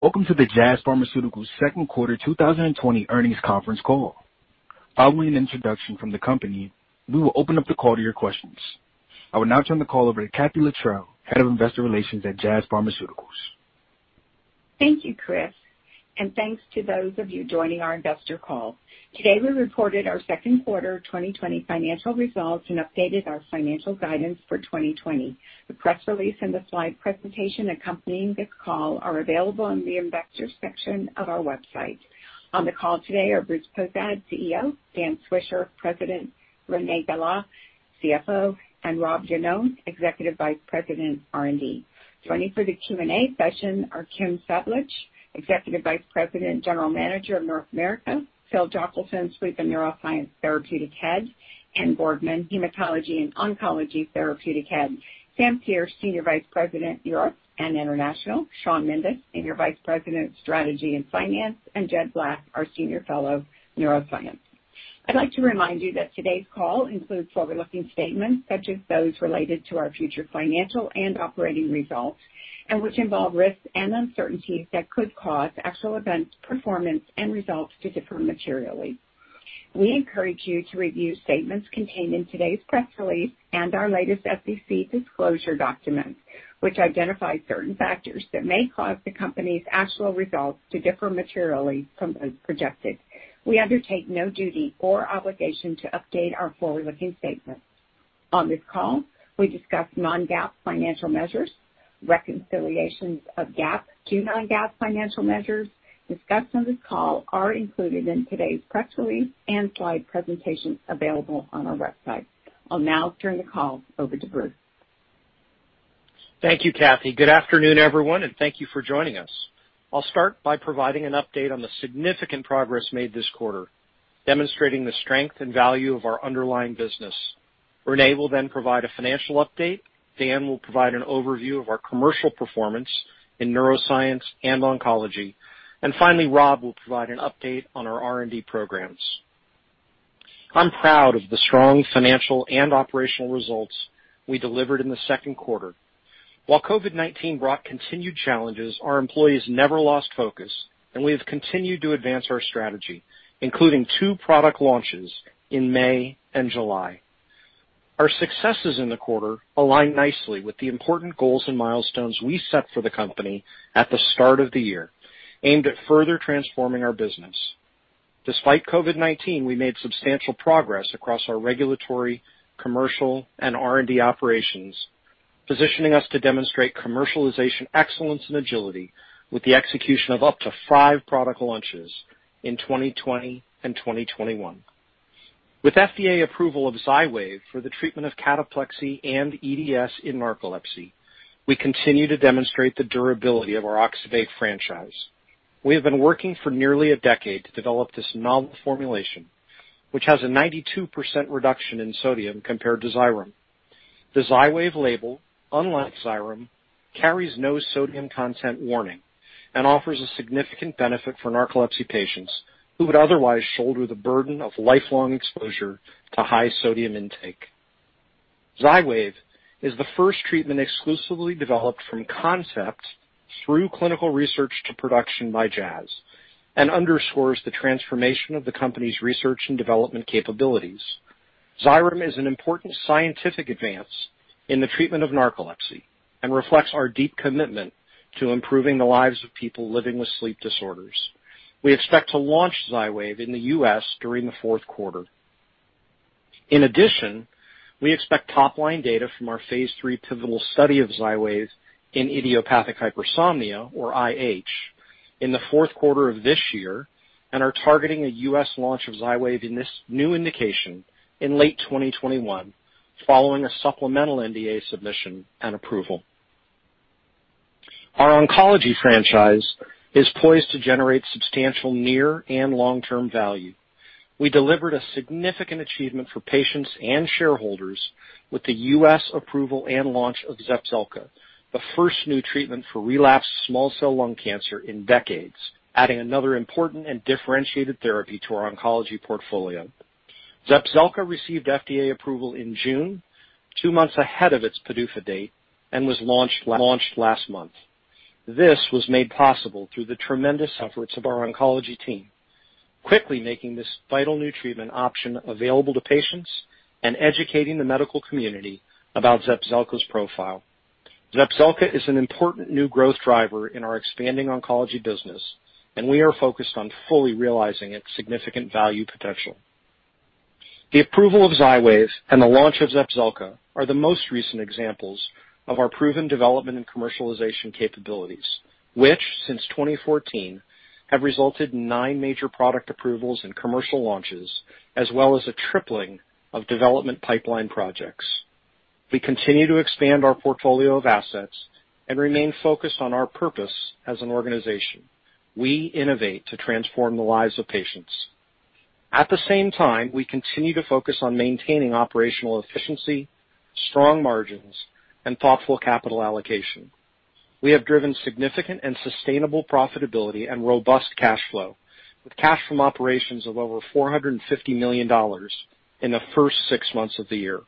Welcome to the Jazz Pharmaceuticals' second quarter 2020 earnings conference call. Following an introduction from the company, we will open up the call to your questions. I will now turn the call over to Kathee Littrell, Head of Investor Relations at Jazz Pharmaceuticals. Thank you, Chris, and thanks to those of you joining our investor call. Today, we reported our second quarter 2020 financial results and updated our financial guidance for 2020. The press release and the slide presentation accompanying this call are available in the Investor Section of our website. On the call today are Bruce Cozadd, CEO; Dan Swisher, President; Renee Gala, CFO; and Rob Iannone, Executive Vice President, R&D. Joining for the Q&A session are Kim Sablich, Executive Vice President, General Manager of North America; Phil Johnson, Sleep and Neuroscience Therapeutic Head; and Boardman, Hematology and Oncology Therapeutic Head; Samantha Pearce, Senior Vice President, Europe and International; Shawn Mendes, Senior Vice President, Strategy and Finance; and Jed Black, our Senior Fellow, Neuroscience. I'd like to remind you that today's call includes forward-looking statements such as those related to our future financial and operating results, and which involve risks and uncertainties that could cause actual events, performance, and results to differ materially. We encourage you to review statements contained in today's press release and our latest SEC disclosure documents, which identify certain factors that may cause the company's actual results to differ materially from those projected. We undertake no duty or obligation to update our forward-looking statements. On this call, we discuss non-GAAP financial measures. Reconciliations of GAAP to non-GAAP financial measures discussed on this call are included in today's press release and slide presentations available on our website. I'll now turn the call over to Bruce. Thank you, Kathee. Good afternoon, everyone, and thank you for joining us. I'll start by providing an update on the significant progress made this quarter, demonstrating the strength and value of our underlying business. Renee will then provide a financial update. Dan will provide an overview of our commercial performance in neuroscience and oncology. And finally, Rob will provide an update on our R&D programs. I'm proud of the strong financial and operational results we delivered in the second quarter. While COVID-19 brought continued challenges, our employees never lost focus, and we have continued to advance our strategy, including two product launches in May and July. Our successes in the quarter align nicely with the important goals and milestones we set for the company at the start of the year, aimed at further transforming our business. Despite COVID-19, we made substantial progress across our regulatory, commercial, and R&D operations, positioning us to demonstrate commercialization excellence and agility with the execution of up to five product launches in 2020 and 2021. With FDA approval of Xywav for the treatment of cataplexy and EDS in narcolepsy, we continue to demonstrate the durability of our oxybate franchise. We have been working for nearly a decade to develop this novel formulation, which has a 92% reduction in sodium compared to Xyrem. The Xywav label, unlike Xyrem, carries no sodium content warning and offers a significant benefit for narcolepsy patients who would otherwise shoulder the burden of lifelong exposure to high sodium intake. Xywav is the first treatment exclusively developed from concept through clinical research to production by Jazz and underscores the transformation of the company's research and development capabilities. Xyrem is an important scientific advance in the treatment of narcolepsy and reflects our deep commitment to improving the lives of people living with sleep disorders. We expect to launch Xywav in the U.S. during the fourth quarter. In addition, we expect top-line data from Phase III pivotal study of Xywav in idiopathic hypersomnia, or IH, in the fourth quarter of this year and are targeting a U.S. launch of Xywav in this new indication in late 2021, following a supplemental NDA submission and approval. Our oncology franchise is poised to generate substantial near and long-term value. We delivered a significant achievement for patients and shareholders with the U.S. approval and launch of Zepzelca, the first new treatment for relapsed small cell lung cancer in decades, adding another important and differentiated therapy to our oncology portfolio. Zepzelca received FDA approval in June, two months ahead of its PDUFA date, and was launched last month. This was made possible through the tremendous efforts of our oncology team, quickly making this vital new treatment option available to patients and educating the medical community about Zepzelca's profile. Zepzelca is an important new growth driver in our expanding oncology business, and we are focused on fully realizing its significant value potential. The approval of Xywav and the launch of Zepzelca are the most recent examples of our proven development and commercialization capabilities, which, since 2014, have resulted in nine major product approvals and commercial launches, as well as a tripling of development pipeline projects. We continue to expand our portfolio of assets and remain focused on our purpose as an organization. We innovate to transform the lives of patients. At the same time, we continue to focus on maintaining operational efficiency, strong margins, and thoughtful capital allocation. We have driven significant and sustainable profitability and robust cash flow, with cash from operations of over $450 million in the first six months of the year.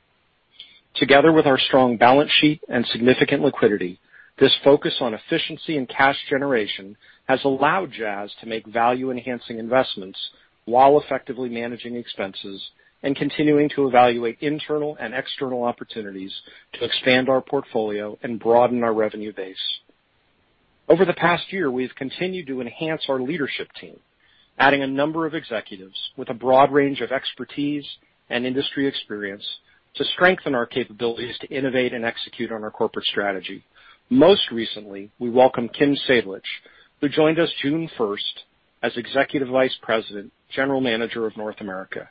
Together with our strong balance sheet and significant liquidity, this focus on efficiency and cash generation has allowed Jazz to make value-enhancing investments while effectively managing expenses and continuing to evaluate internal and external opportunities to expand our portfolio and broaden our revenue base. Over the past year, we have continued to enhance our leadership team, adding a number of executives with a broad range of expertise and industry experience to strengthen our capabilities to innovate and execute on our corporate strategy. Most recently, we welcomed Kim Sablich, who joined us June 1st as Executive Vice President, General Manager of North America.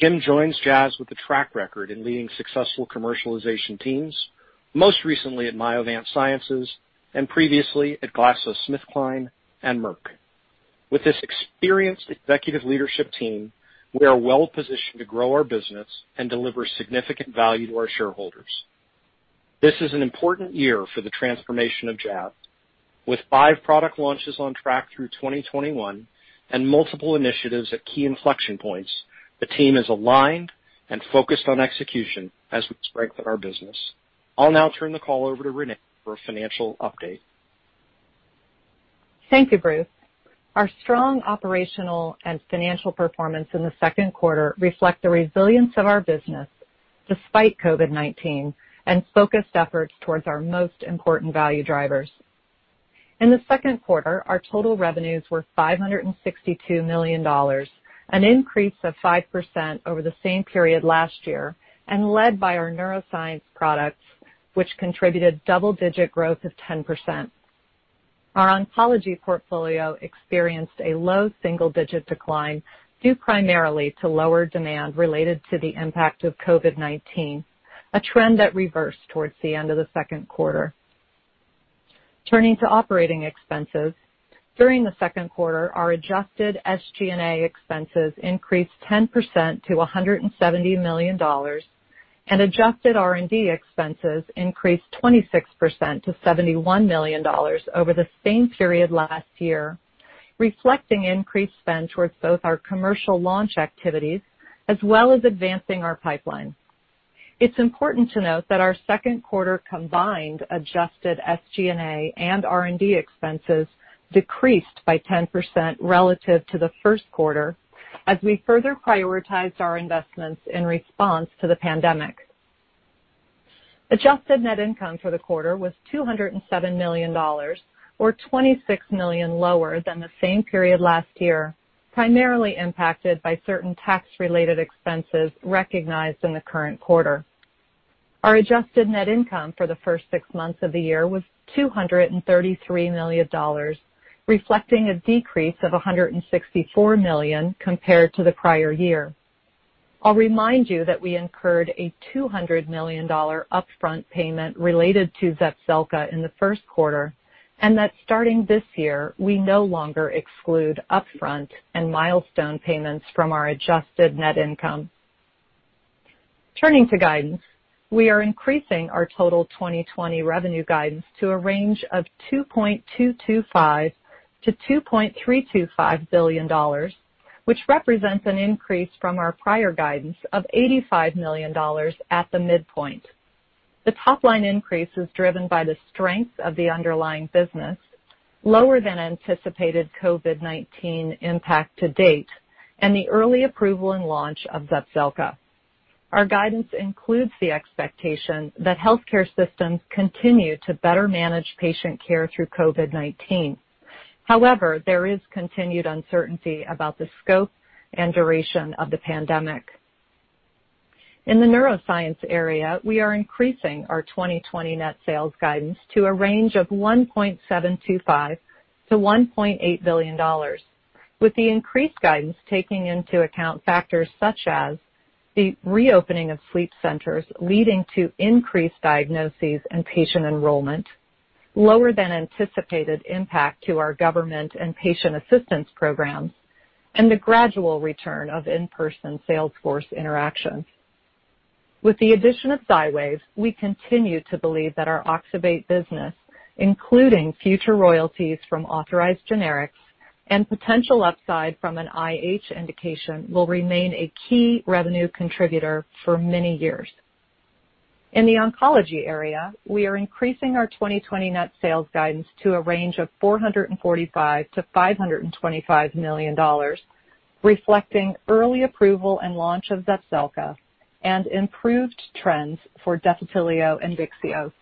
Kim joins Jazz with a track record in leading successful commercialization teams, most recently at Myovant Sciences and previously at GlaxoSmithKline and Merck. With this experienced executive leadership team, we are well-positioned to grow our business and deliver significant value to our shareholders. This is an important year for the transformation of Jazz. With five product launches on track through 2021 and multiple initiatives at key inflection points, the team is aligned and focused on execution as we strengthen our business. I'll now turn the call over to Renee for a financial update. Thank you, Bruce. Our strong operational and financial performance in the second quarter reflects the resilience of our business despite COVID-19 and focused efforts towards our most important value drivers. In the second quarter, our total revenues were $562 million, an increase of 5% over the same period last year, and led by our neuroscience products, which contributed double-digit growth of 10%. Our oncology portfolio experienced a low single-digit decline due primarily to lower demand related to the impact of COVID-19, a trend that reversed towards the end of the second quarter. Turning to operating expenses, during the second quarter, our adjusted SG&A expenses increased 10% to $170 million, and adjusted R&D expenses increased 26% to $71 million over the same period last year, reflecting increased spend towards both our commercial launch activities as well as advancing our pipeline. It's important to note that our second quarter combined adjusted SG&A and R&D expenses decreased by 10% relative to the first quarter as we further prioritized our investments in response to the pandemic. Adjusted net income for the quarter was $207 million, or $26 million lower than the same period last year, primarily impacted by certain tax-related expenses recognized in the current quarter. Our adjusted net income for the first six months of the year was $233 million, reflecting a decrease of $164 million compared to the prior year. I'll remind you that we incurred a $200 million upfront payment related to Zepzelca in the first quarter and that starting this year, we no longer exclude upfront and milestone payments from our adjusted net income. Turning to guidance, we are increasing our total 2020 revenue guidance to a range of $2.225 billion-$2.325 billion, which represents an increase from our prior guidance of $85 million at the midpoint. The top-line increase is driven by the strength of the underlying business, lower than anticipated COVID-19 impact to date, and the early approval and launch of Zepzelca. Our guidance includes the expectation that healthcare systems continue to better manage patient care through COVID-19. However, there is continued uncertainty about the scope and duration of the pandemic. In the neuroscience area, we are increasing our 2020 net sales guidance to a range of $1.725 billion-$1.8 billion, with the increased guidance taking into account factors such as the reopening of sleep centers leading to increased diagnoses and patient enrollment, lower than anticipated impact to our government and patient assistance programs, and the gradual return of in-person salesforce interactions. With the addition of Xywav, we continue to believe that our oxybate business, including future royalties from authorized generics and potential upside from an IH indication, will remain a key revenue contributor for many years. In the oncology area, we are increasing our 2020 net sales guidance to a range of $445 million-$525 million, reflecting early approval and launch of Zepzelca and improved trends for Defitelio and Vyxeos.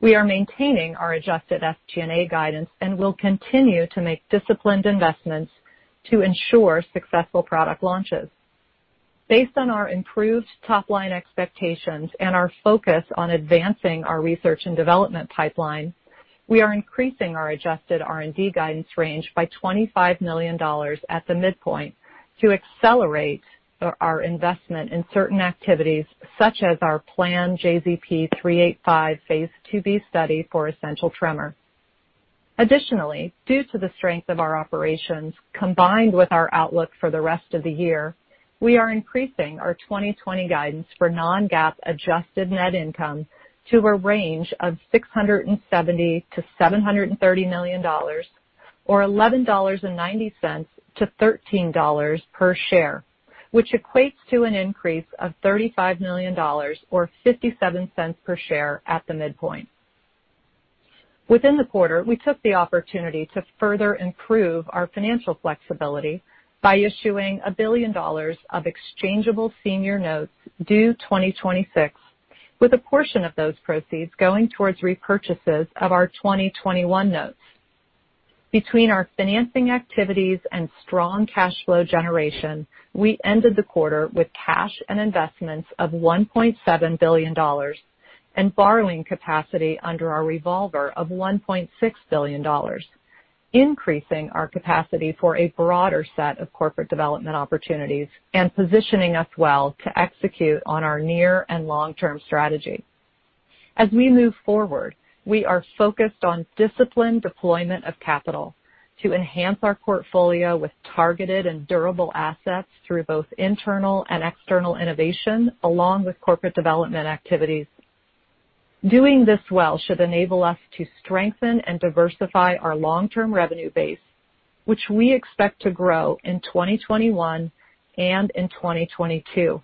We are maintaining our adjusted SG&A guidance and will continue to make disciplined investments to ensure successful product launches. Based on our improved top-line expectations and our focus on advancing our research and development pipeline, we are increasing our adjusted R&D guidance range by $25 million at the midpoint to accelerate our investment in certain activities, such as our planned JZP385 Phase IIb study for essential tremor. Additionally, due to the strength of our operations combined with our outlook for the rest of the year, we are increasing our 2020 guidance for non-GAAP adjusted net income to a range of $670 million-$730 million, or $11.90-$13 per share, which equates to an increase of $35 million or $0.57 per share at the midpoint. Within the quarter, we took the opportunity to further improve our financial flexibility by issuing $1 billion of exchangeable senior notes due 2026, with a portion of those proceeds going towards repurchases of our 2021 notes. Between our financing activities and strong cash flow generation, we ended the quarter with cash and investments of $1.7 billion and borrowing capacity under our revolver of $1.6 billion, increasing our capacity for a broader set of corporate development opportunities and positioning us well to execute on our near and long-term strategy. As we move forward, we are focused on disciplined deployment of capital to enhance our portfolio with targeted and durable assets through both internal and external innovation, along with corporate development activities. Doing this well should enable us to strengthen and diversify our long-term revenue base, which we expect to grow in 2021 and in 2022.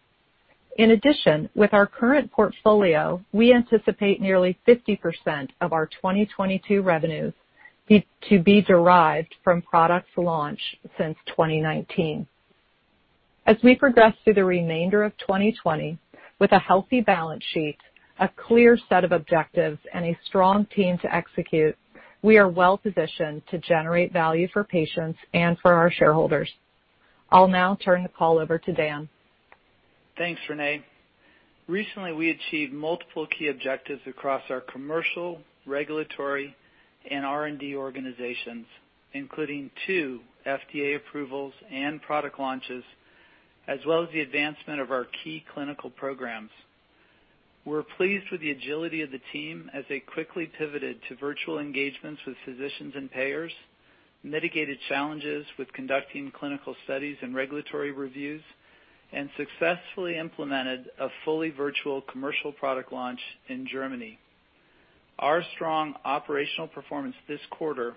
In addition, with our current portfolio, we anticipate nearly 50% of our 2022 revenues to be derived from products launched since 2019. As we progress through the remainder of 2020, with a healthy balance sheet, a clear set of objectives, and a strong team to execute, we are well-positioned to generate value for patients and for our shareholders. I'll now turn the call over to Dan. Thanks, Renee. Recently, we achieved multiple key objectives across our commercial, regulatory, and R&D organizations, including two FDA approvals and product launches, as well as the advancement of our key clinical programs. We're pleased with the agility of the team as they quickly pivoted to virtual engagements with physicians and payers, mitigated challenges with conducting clinical studies and regulatory reviews, and successfully implemented a fully virtual commercial product launch in Germany. Our strong operational performance this quarter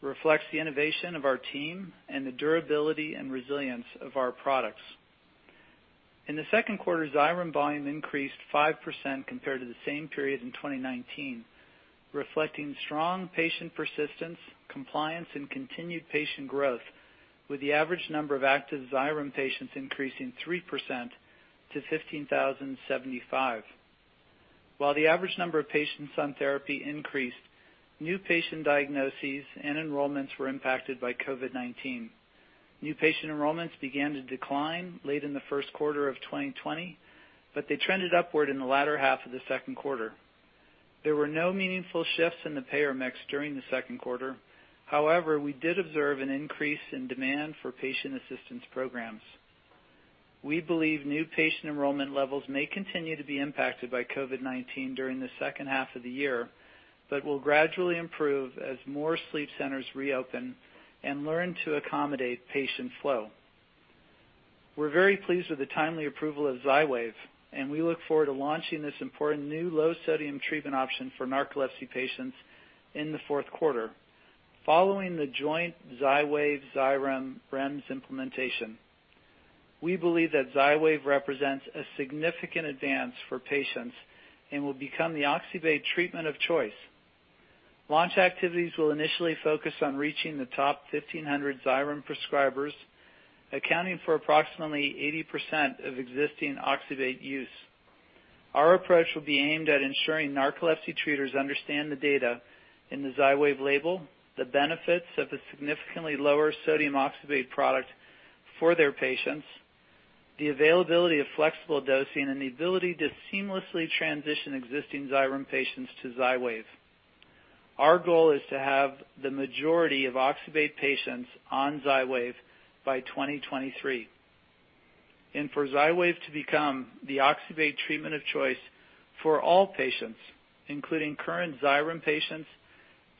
reflects the innovation of our team and the durability and resilience of our products. In the second quarter, Xyrem volume increased 5% compared to the same period in 2019, reflecting strong patient persistence, compliance, and continued patient growth, with the average number of active Xyrem patients increasing 3% to 15,075. While the average number of patients on therapy increased, new patient diagnoses and enrollments were impacted by COVID-19. New patient enrollments began to decline late in the first quarter of 2020, but they trended upward in the latter half of the second quarter. There were no meaningful shifts in the payer mix during the second quarter. However, we did observe an increase in demand for patient assistance programs. We believe new patient enrollment levels may continue to be impacted by COVID-19 during the second half of the year, but will gradually improve as more sleep centers reopen and learn to accommodate patient flow. We're very pleased with the timely approval of Xywav, and we look forward to launching this important new low-sodium treatment option for narcolepsy patients in the fourth quarter, following the joint Xywav, Xyrem, REMS implementation. We believe that Xywav represents a significant advance for patients and will become the oxybate treatment of choice. Launch activities will initially focus on reaching the top 1,500 Xyrem prescribers, accounting for approximately 80% of existing oxybate use. Our approach will be aimed at ensuring narcolepsy treaters understand the data in the Xywav label, the benefits of a significantly lower-sodium oxybate product for their patients, the availability of flexible dosing, and the ability to seamlessly transition existing Xyrem patients to Xywav. Our goal is to have the majority of oxybate patients on Xywav by 2023, and for Xywav to become the oxybate treatment of choice for all patients, including current Xyrem patients,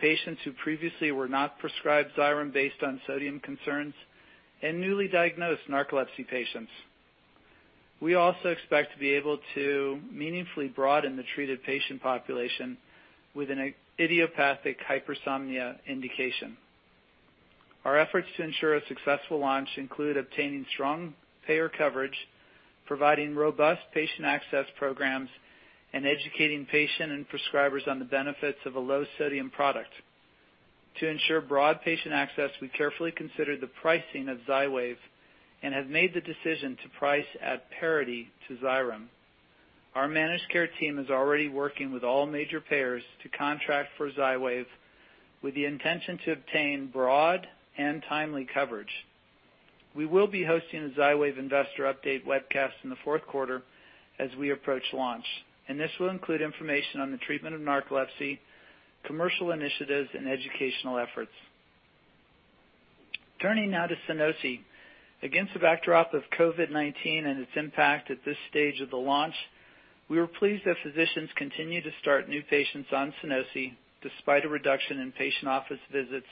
patients who previously were not prescribed Xyrem based on sodium concerns, and newly diagnosed narcolepsy patients. We also expect to be able to meaningfully broaden the treated patient population with an idiopathic hypersomnia indication. Our efforts to ensure a successful launch include obtaining strong payer coverage, providing robust patient access programs, and educating patients and prescribers on the benefits of a low-sodium product. To ensure broad patient access, we carefully considered the pricing of Xywav and have made the decision to price at parity to Xyrem. Our managed care team is already working with all major payers to contract for Xywav with the intention to obtain broad and timely coverage. We will be hosting a Xywav investor update webcast in the fourth quarter as we approach launch, and this will include information on the treatment of narcolepsy, commercial initiatives, and educational efforts. Turning now to Sunosi. Against the backdrop of COVID-19 and its impact at this stage of the launch, we were pleased that physicians continued to start new patients on Sunosi despite a reduction in patient office visits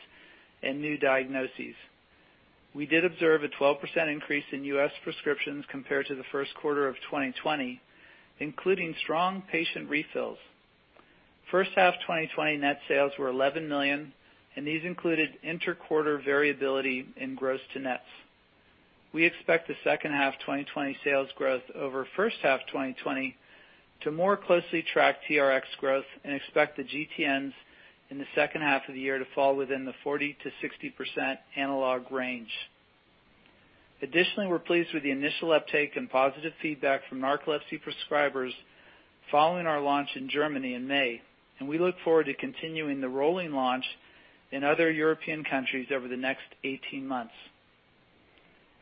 and new diagnoses. We did observe a 12% increase in U.S. prescriptions compared to the first quarter of 2020, including strong patient refills. First half 2020 net sales were $11 million, and these included interquarter variability in gross-to-nets. We expect the second half 2020 sales growth over first half 2020 to more closely track TRX growth and expect the GTNs in the second half of the year to fall within the 40%-60% analog range. Additionally, we're pleased with the initial uptake and positive feedback from narcolepsy prescribers following our launch in Germany in May, and we look forward to continuing the rolling launch in other European countries over the next 18 months.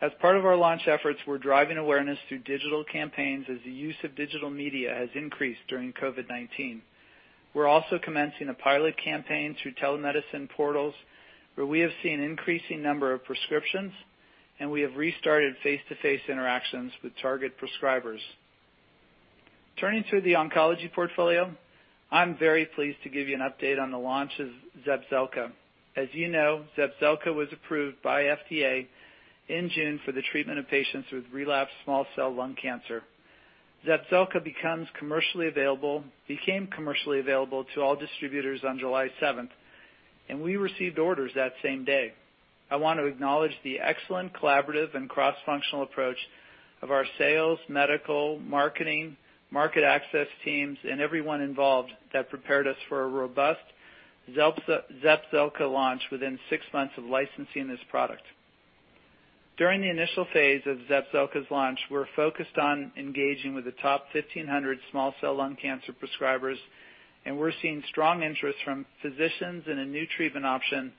As part of our launch efforts, we're driving awareness through digital campaigns as the use of digital media has increased during COVID-19. We're also commencing a pilot campaign through telemedicine portals where we have seen an increasing number of prescriptions, and we have restarted face-to-face interactions with target prescribers. Turning to the oncology portfolio, I'm very pleased to give you an update on the launch of Zepzelca. As you know, Zepzelca was approved by FDA in June for the treatment of patients with relapsed small cell lung cancer. Zepzelca became commercially available to all distributors on July 7th, and we received orders that same day. I want to acknowledge the excellent collaborative and cross-functional approach of our sales, medical, marketing, market access teams, and everyone involved that prepared us for a robust Zepzelca launch within six months of licensing this product. During the initial phase of Zepzelca's launch, we're focused on engaging with the top 1,500 small cell lung cancer prescribers, and we're seeing strong interest from physicians in a new treatment option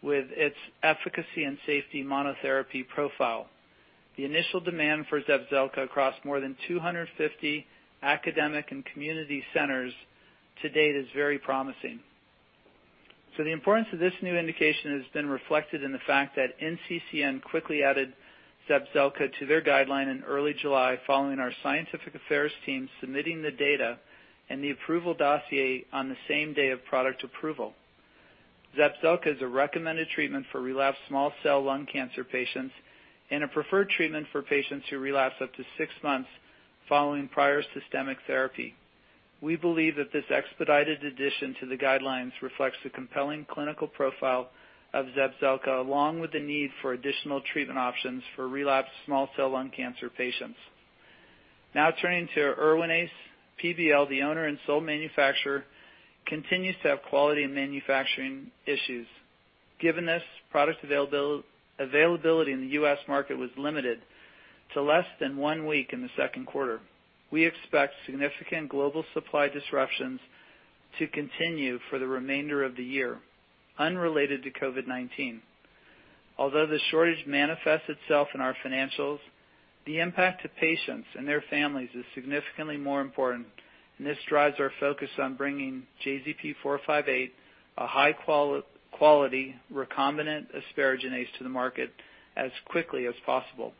with its efficacy and safety monotherapy profile. The initial demand for Zepzelca across more than 250 academic and community centers to date is very promising, so the importance of this new indication has been reflected in the fact that NCCN quickly added Zepzelca to their guideline in early July following our scientific affairs team submitting the data and the approval dossier on the same day of product approval. Zepzelca is a recommended treatment for relapsed small cell lung cancer patients and a preferred treatment for patients who relapse up to six months following prior systemic therapy. We believe that this expedited addition to the guidelines reflects the compelling clinical profile of Zepzelca along with the need for additional treatment options for relapsed small cell lung cancer patients. Now turning to Erwinia. PBL, the owner and sole manufacturer, continues to have quality and manufacturing issues. Given this, product availability in the U.S. market was limited to less than one week in the second quarter. We expect significant global supply disruptions to continue for the remainder of the year, unrelated to COVID-19. Although the shortage manifests itself in our financials, the impact to patients and their families is significantly more important, and this drives our focus on bringing JZP-458, a high-quality recombinant asparaginase to the market as quickly as possible.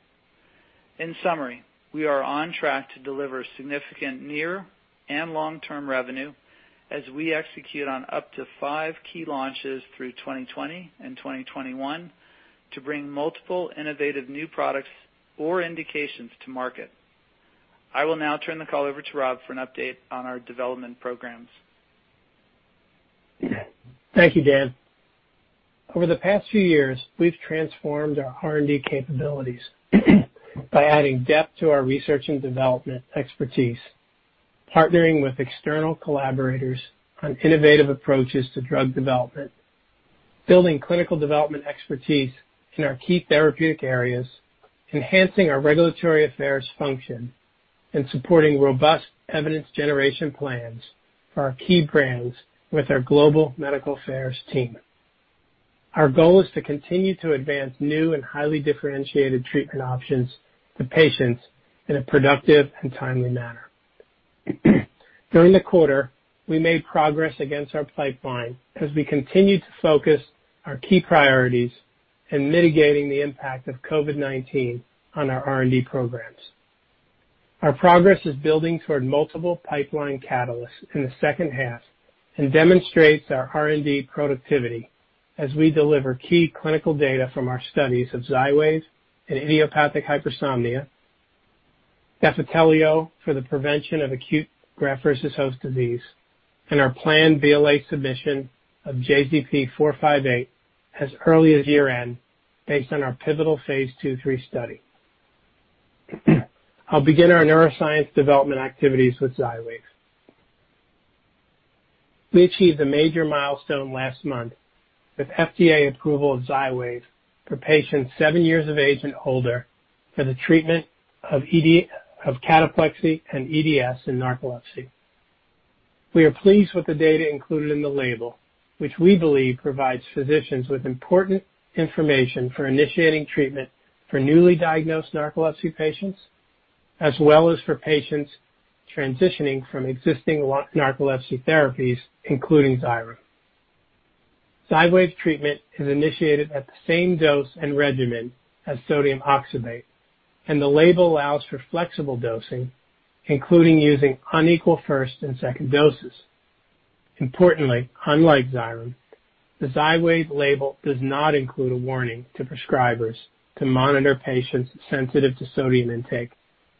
In summary, we are on track to deliver significant near and long-term revenue as we execute on up to five key launches through 2020 and 2021 to bring multiple innovative new products or indications to market. I will now turn the call over to Rob for an update on our development programs. Thank you, Dan. Over the past few years, we've transformed our R&D capabilities by adding depth to our research and development expertise, partnering with external collaborators on innovative approaches to drug development, building clinical development expertise in our key therapeutic areas, enhancing our regulatory affairs function, and supporting robust evidence generation plans for our key brands with our global medical affairs team. Our goal is to continue to advance new and highly differentiated treatment options to patients in a productive and timely manner. During the quarter, we made progress against our pipeline as we continued to focus our key priorities in mitigating the impact of COVID-19 on our R&D programs. Our progress is building toward multiple pipeline catalysts in the second half and demonstrates our R&D productivity as we deliver key clinical data from our studies of Xywav and idiopathic hypersomnia, Defitelio for the prevention of acute graft-versus-host disease, and our planned BLA submission of JZP-458 as early as year-end based on our pivotal Phase II/III study. I'll begin our neuroscience development activities with Xywav. We achieved a major milestone last month with FDA approval of Xywav for patients seven years of age and older for the treatment of cataplexy and EDS in narcolepsy. We are pleased with the data included in the label, which we believe provides physicians with important information for initiating treatment for newly diagnosed narcolepsy patients, as well as for patients transitioning from existing narcolepsy therapies, including Xyrem. Xywav treatment is initiated at the same dose and regimen as sodium oxybate, and the label allows for flexible dosing, including using unequal first and second doses. Importantly, unlike Xyrem, the Xywav label does not include a warning to prescribers to monitor patients sensitive to sodium intake,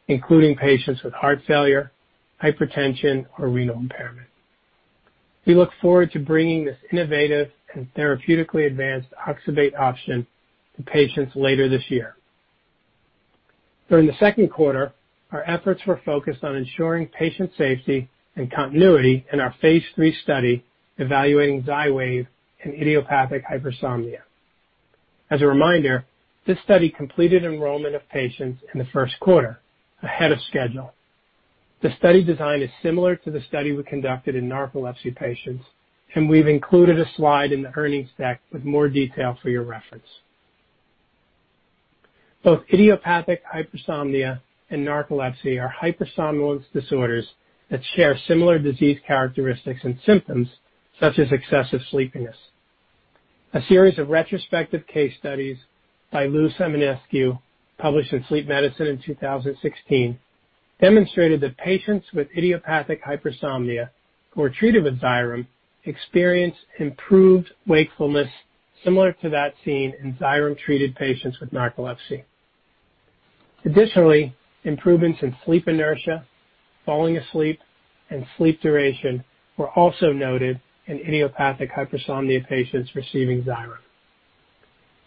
including patients with heart failure, hypertension, or renal impairment. We look forward to bringing this innovative and therapeutically advanced oxybate option to patients later this year. During the second quarter, our efforts were focused on ensuring patient safety and continuity in our Phase III study evaluating Xywav and idiopathic hypersomnia. As a reminder, this study completed enrollment of patients in the first quarter ahead of schedule. The study design is similar to the study we conducted in narcolepsy patients, and we've included a slide in the earnings deck with more detail for your reference. Both idiopathic hypersomnia and narcolepsy are hypersomnolence disorders that share similar disease characteristics and symptoms such as excessive sleepiness. A series of retrospective case studies by Smaranda Leu-Semenescu published in Sleep Medicine in 2016 demonstrated that patients with idiopathic hypersomnia who were treated with Xyrem experienced improved wakefulness similar to that seen in Xyrem-treated patients with narcolepsy. Additionally, improvements in sleep inertia, falling asleep, and sleep duration were also noted in idiopathic hypersomnia patients receiving Xyrem.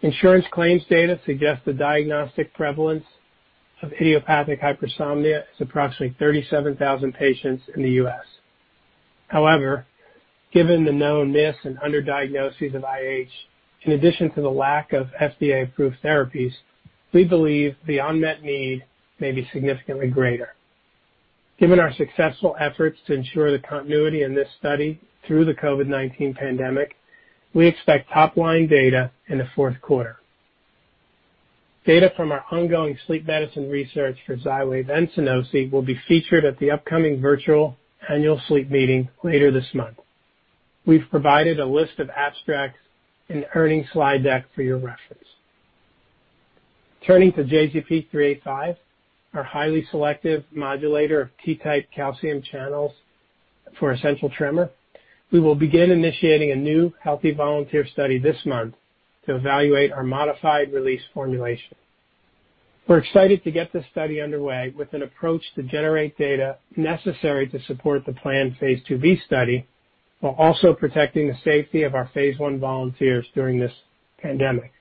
Insurance claims data suggest the diagnostic prevalence of idiopathic hypersomnia is approximately 37,000 patients in the U.S. However, given the known myths and underdiagnoses of IH, in addition to the lack of FDA-approved therapies, we believe the unmet need may be significantly greater. Given our successful efforts to ensure the continuity in this study through the COVID-19 pandemic, we expect top-line data in the fourth quarter. Data from our ongoing sleep medicine research for Xywav and Sunosi will be featured at the upcoming virtual annual sleep meeting later this month. We've provided a list of abstracts in the earnings slide deck for your reference. Turning to JZP385, our highly selective modulator of T-type calcium channels for essential tremor, we will begin initiating a new healthy volunteer study this month to evaluate our modified release formulation. We're excited to get this study underway with an approach to generate data necessary to support the planned Phase II/III study while also protecting the safety of our Phase I volunteers during this pandemic.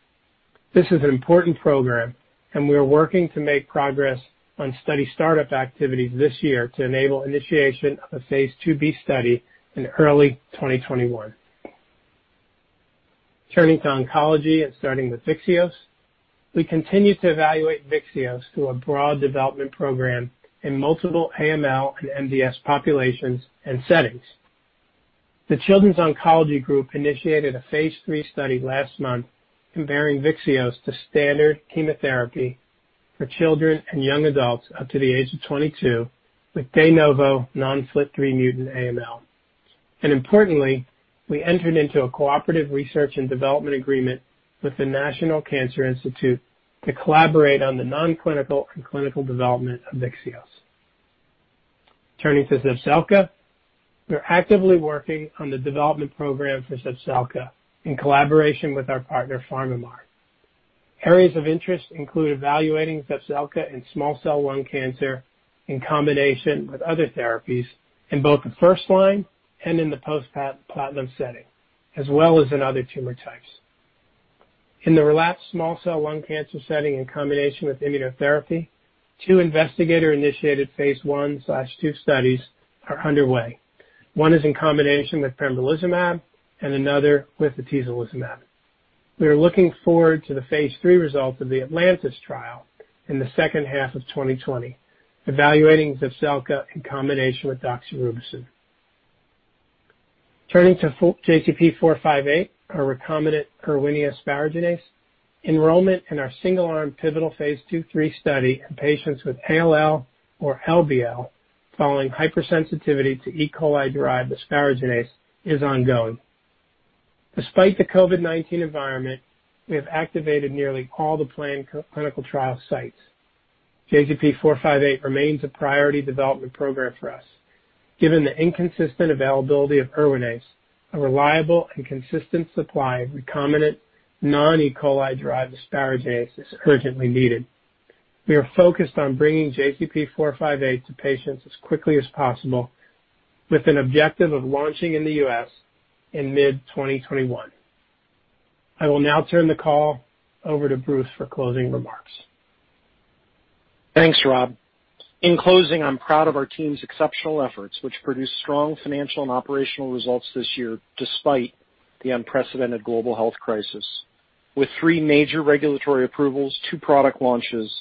This is an important program, and we are working to make progress on study startup activities this year to enable initiation of a Phase II/III study in early 2021. Turning to oncology and starting with Vyxeos, we continue to evaluate Vyxeos through a broad development program in multiple AML and MDS populations and settings. The Children's Oncology Group initiated a Phase III study last month comparing Vyxeos to standard chemotherapy for children and young adults up to the age of 22 with de novo non-FLT3 mutant AML, and importantly, we entered into a cooperative research and development agreement with the National Cancer Institute to collaborate on the non-clinical and clinical development of Vyxeos. Turning to Zepzelca, we're actively working on the development program for Zepzelca in collaboration with our partner PharmaMar. Areas of interest include evaluating Zepzelca in small cell lung cancer in combination with other therapies in both the first line and in the post-platinum setting, as well as in other tumor types. In the relapsed small cell lung cancer setting in combination with immunotherapy, two investigator-initiated Phase I/II studies are underway. One is in combination with pembrolizumab and another with atezolizumab. We are looking forward to the Phase III results of the ATLANTIS trial in the second half of 2020, evaluating Zepzelca in combination with doxorubicin. Turning to JZP-458, our recombinant Erwinia asparaginase, enrollment in our single-arm pivotal Phase II/III study in patients with ALL or LBL following hypersensitivity to E. coli-derived asparaginase is ongoing. Despite the COVID-19 environment, we have activated nearly all the planned clinical trial sites. JZP-458 remains a priority development program for us. Given the inconsistent availability of Erwinia, a reliable and consistent supply of recombinant non-E. coli-derived asparaginase is urgently needed. We are focused on bringing JZP-458 to patients as quickly as possible with an objective of launching in the U.S. in mid-2021. I will now turn the call over to Bruce for closing remarks. Thanks, Rob. In closing, I'm proud of our team's exceptional efforts, which produced strong financial and operational results this year despite the unprecedented global health crisis. With three major regulatory approvals, two product launches,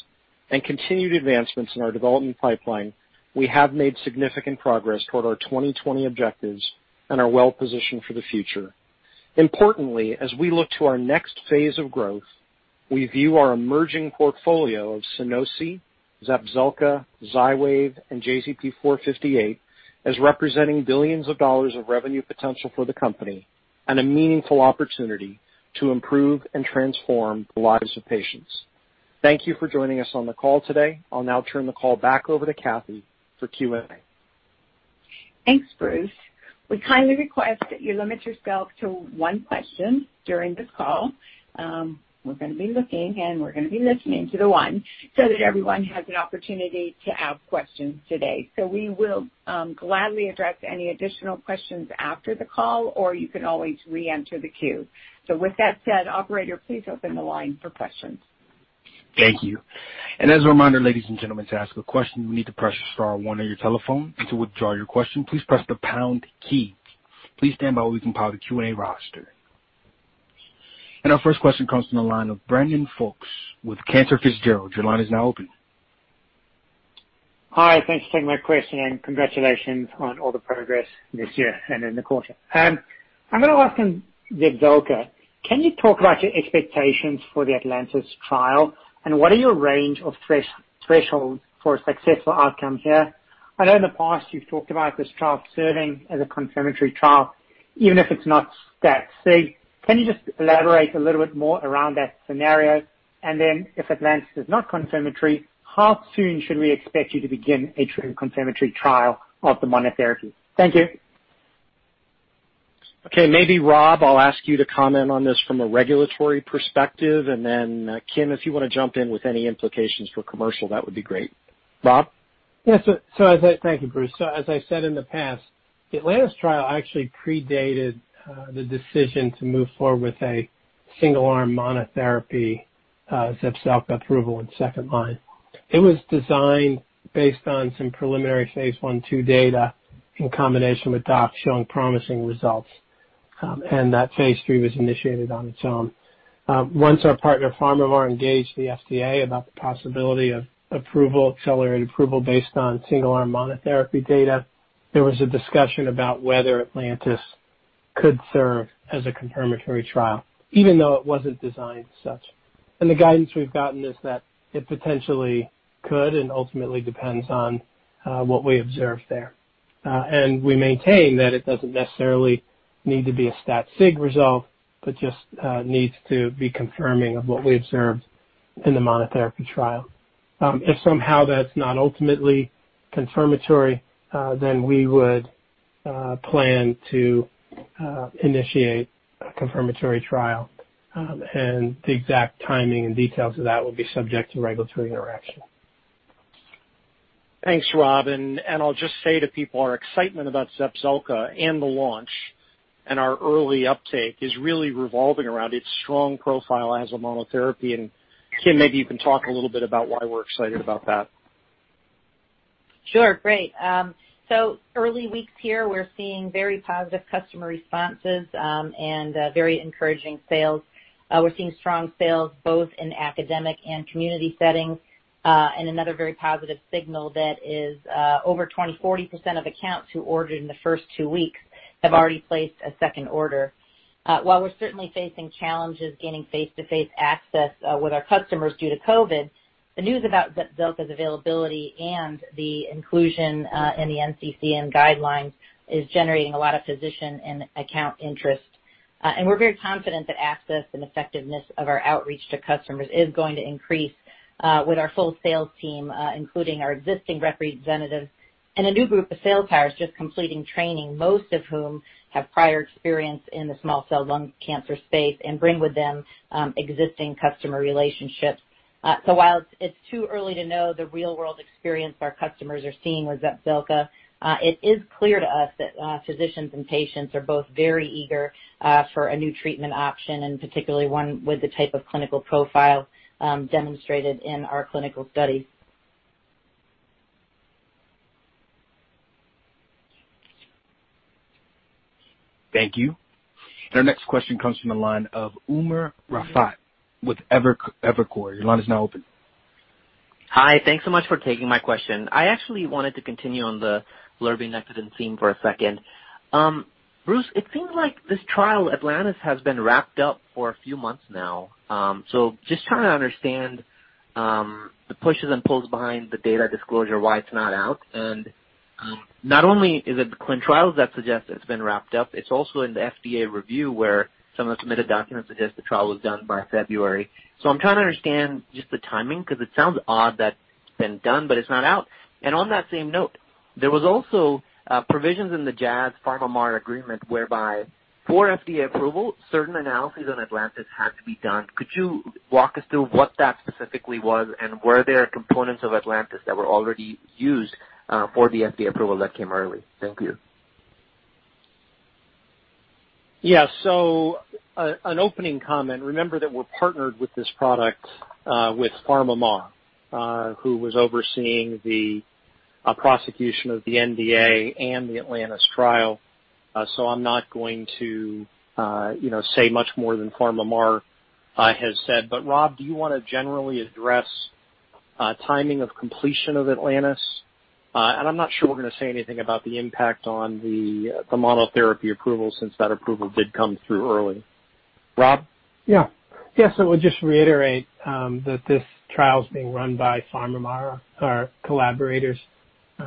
and continued advancements in our development pipeline, we have made significant progress toward our 2020 objectives and are well-positioned for the future. Importantly, as we look to our next phase of growth, we view our emerging portfolio of Sunosi, Zepzelca, Xywav, and JZP-458 as representing billions of dollars of revenue potential for the company and a meaningful opportunity to improve and transform the lives of patients. Thank you for joining us on the call today. I'll now turn the call back over to Kathee for Q&A. Thanks, Bruce. We kindly request that you limit yourself to one question during this call. We're going to be looking and we're going to be listening to the one so that everyone has an opportunity to ask questions today. So we will gladly address any additional questions after the call, or you can always re-enter the queue. So with that said, operator, please open the line for questions. Thank you. And as a reminder, ladies and gentlemen, to ask a question, you will need to press or star one on your telephone. To withdraw your question, please press the pound key. Please stand by while we compile the Q&A roster. And our first question comes from the line of Brandon Folkes with Cantor Fitzgerald. Your line is now open. Hi. Thanks for taking my question, and congratulations on all the progress this year and in the quarter. I'm going to ask Zepzelca. Can you talk about your expectations for the ATLANTIS trial, and what are your range of thresholds for a successful outcome here? I know in the past you've talked about this trial serving as a confirmatory trial, even if it's not stats. So can you just elaborate a little bit more around that scenario? And then if ATLANTIS is not confirmatory, how soon should we expect you to begin a true confirmatory trial of the monotherapy? Thank you. Okay. Maybe Rob, I'll ask you to comment on this from a regulatory perspective, and then Kim, if you want to jump in with any implications for commercial, that would be great. Rob? Yeah. So thank you, Bruce. So as I said in the past, the ATLANTIS trial actually predated the decision to move forward with a single-arm monotherapy Zepzelca approval in second line. It was designed based on some preliminary phase 1/2 data in combination with dox showing promising results, and that phase 3 was initiated on its own. Once our partner PharmaMar engaged the FDA about the possibility of accelerated approval based on single-arm monotherapy data, there was a discussion about whether ATLANTIS could serve as a confirmatory trial, even though it wasn't designed as such. And the guidance we've gotten is that it potentially could, and ultimately depends on what we observe there. And we maintain that it doesn't necessarily need to be a stat-sig result, but just needs to be confirming of what we observed in the monotherapy trial. If somehow that's not ultimately confirmatory, then we would plan to initiate a confirmatory trial, and the exact timing and details of that will be subject to regulatory interaction. Thanks, Rob. And I'll just say to people, our excitement about Zepzelca and the launch and our early uptake is really revolving around its strong profile as a monotherapy. And Kim, maybe you can talk a little bit about why we're excited about that. Sure. Great. So early weeks here, we're seeing very positive customer responses and very encouraging sales. We're seeing strong sales both in academic and community settings. And another very positive signal that is over 40% of accounts who ordered in the first two weeks have already placed a second order. While we're certainly facing challenges gaining face-to-face access with our customers due to COVID, the news about Zepzelca's availability and the inclusion in the NCCN guidelines is generating a lot of physician and account interest. And we're very confident that access and effectiveness of our outreach to customers is going to increase with our full sales team, including our existing representatives and a new group of sales hires just completing training, most of whom have prior experience in the small cell lung cancer space and bring with them existing customer relationships. While it's too early to know the real-world experience our customers are seeing with Zepzelca, it is clear to us that physicians and patients are both very eager for a new treatment option, and particularly one with the type of clinical profile demonstrated in our clinical studies. Thank you. And our next question comes from the line of Umer Raffat with Evercore. Your line is now open. Hi. Thanks so much for taking my question. I actually wanted to continue on the lurbinectedin theme for a second. Bruce, it seems like this trial ATLANTIS has been wrapped up for a few months now. So just trying to understand the pushes and pulls behind the data disclosure, why it's not out. And not only is it the clinical trials that suggest it's been wrapped up, it's also in the FDA review where some of the submitted documents suggest the trial was done by February. So I'm trying to understand just the timing because it sounds odd that it's been done, but it's not out. And on that same note, there were also provisions in the Jazz PharmaMar agreement whereby for FDA approval, certain analyses on ATLANTIS had to be done. Could you walk us through what that specifically was, and were there components of ATLANTIS that were already used for the FDA approval that came early? Thank you. Yeah. So an opening comment, remember that we're partnered with this product with PharmaMar, who was overseeing the prosecution of the NDA and the ATLANTIS trial. So I'm not going to say much more than PharmaMar has said. But Rob, do you want to generally address timing of completion of ATLANTIS? And I'm not sure we're going to say anything about the impact on the monotherapy approval since that approval did come through early. Rob? Yeah. Yeah. So I'll just reiterate that this trial is being run by PharmaMar, our collaborators.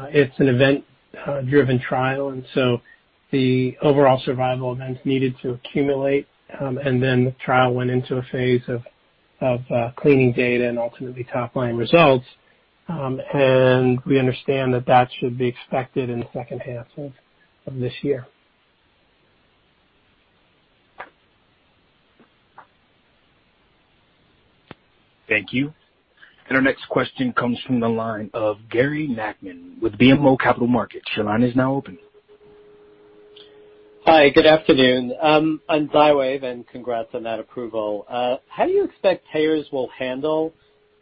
It's an event-driven trial, and so the overall survival events needed to accumulate, and then the trial went into a phase of cleaning data and ultimately top-line results. And we understand that that should be expected in the second half of this year. Thank you. And our next question comes from the line of Gary Nachman with BMO Capital Markets. Your line is now open. Hi. Good afternoon. On Xywav, and congrats on that approval. How do you expect payers will handle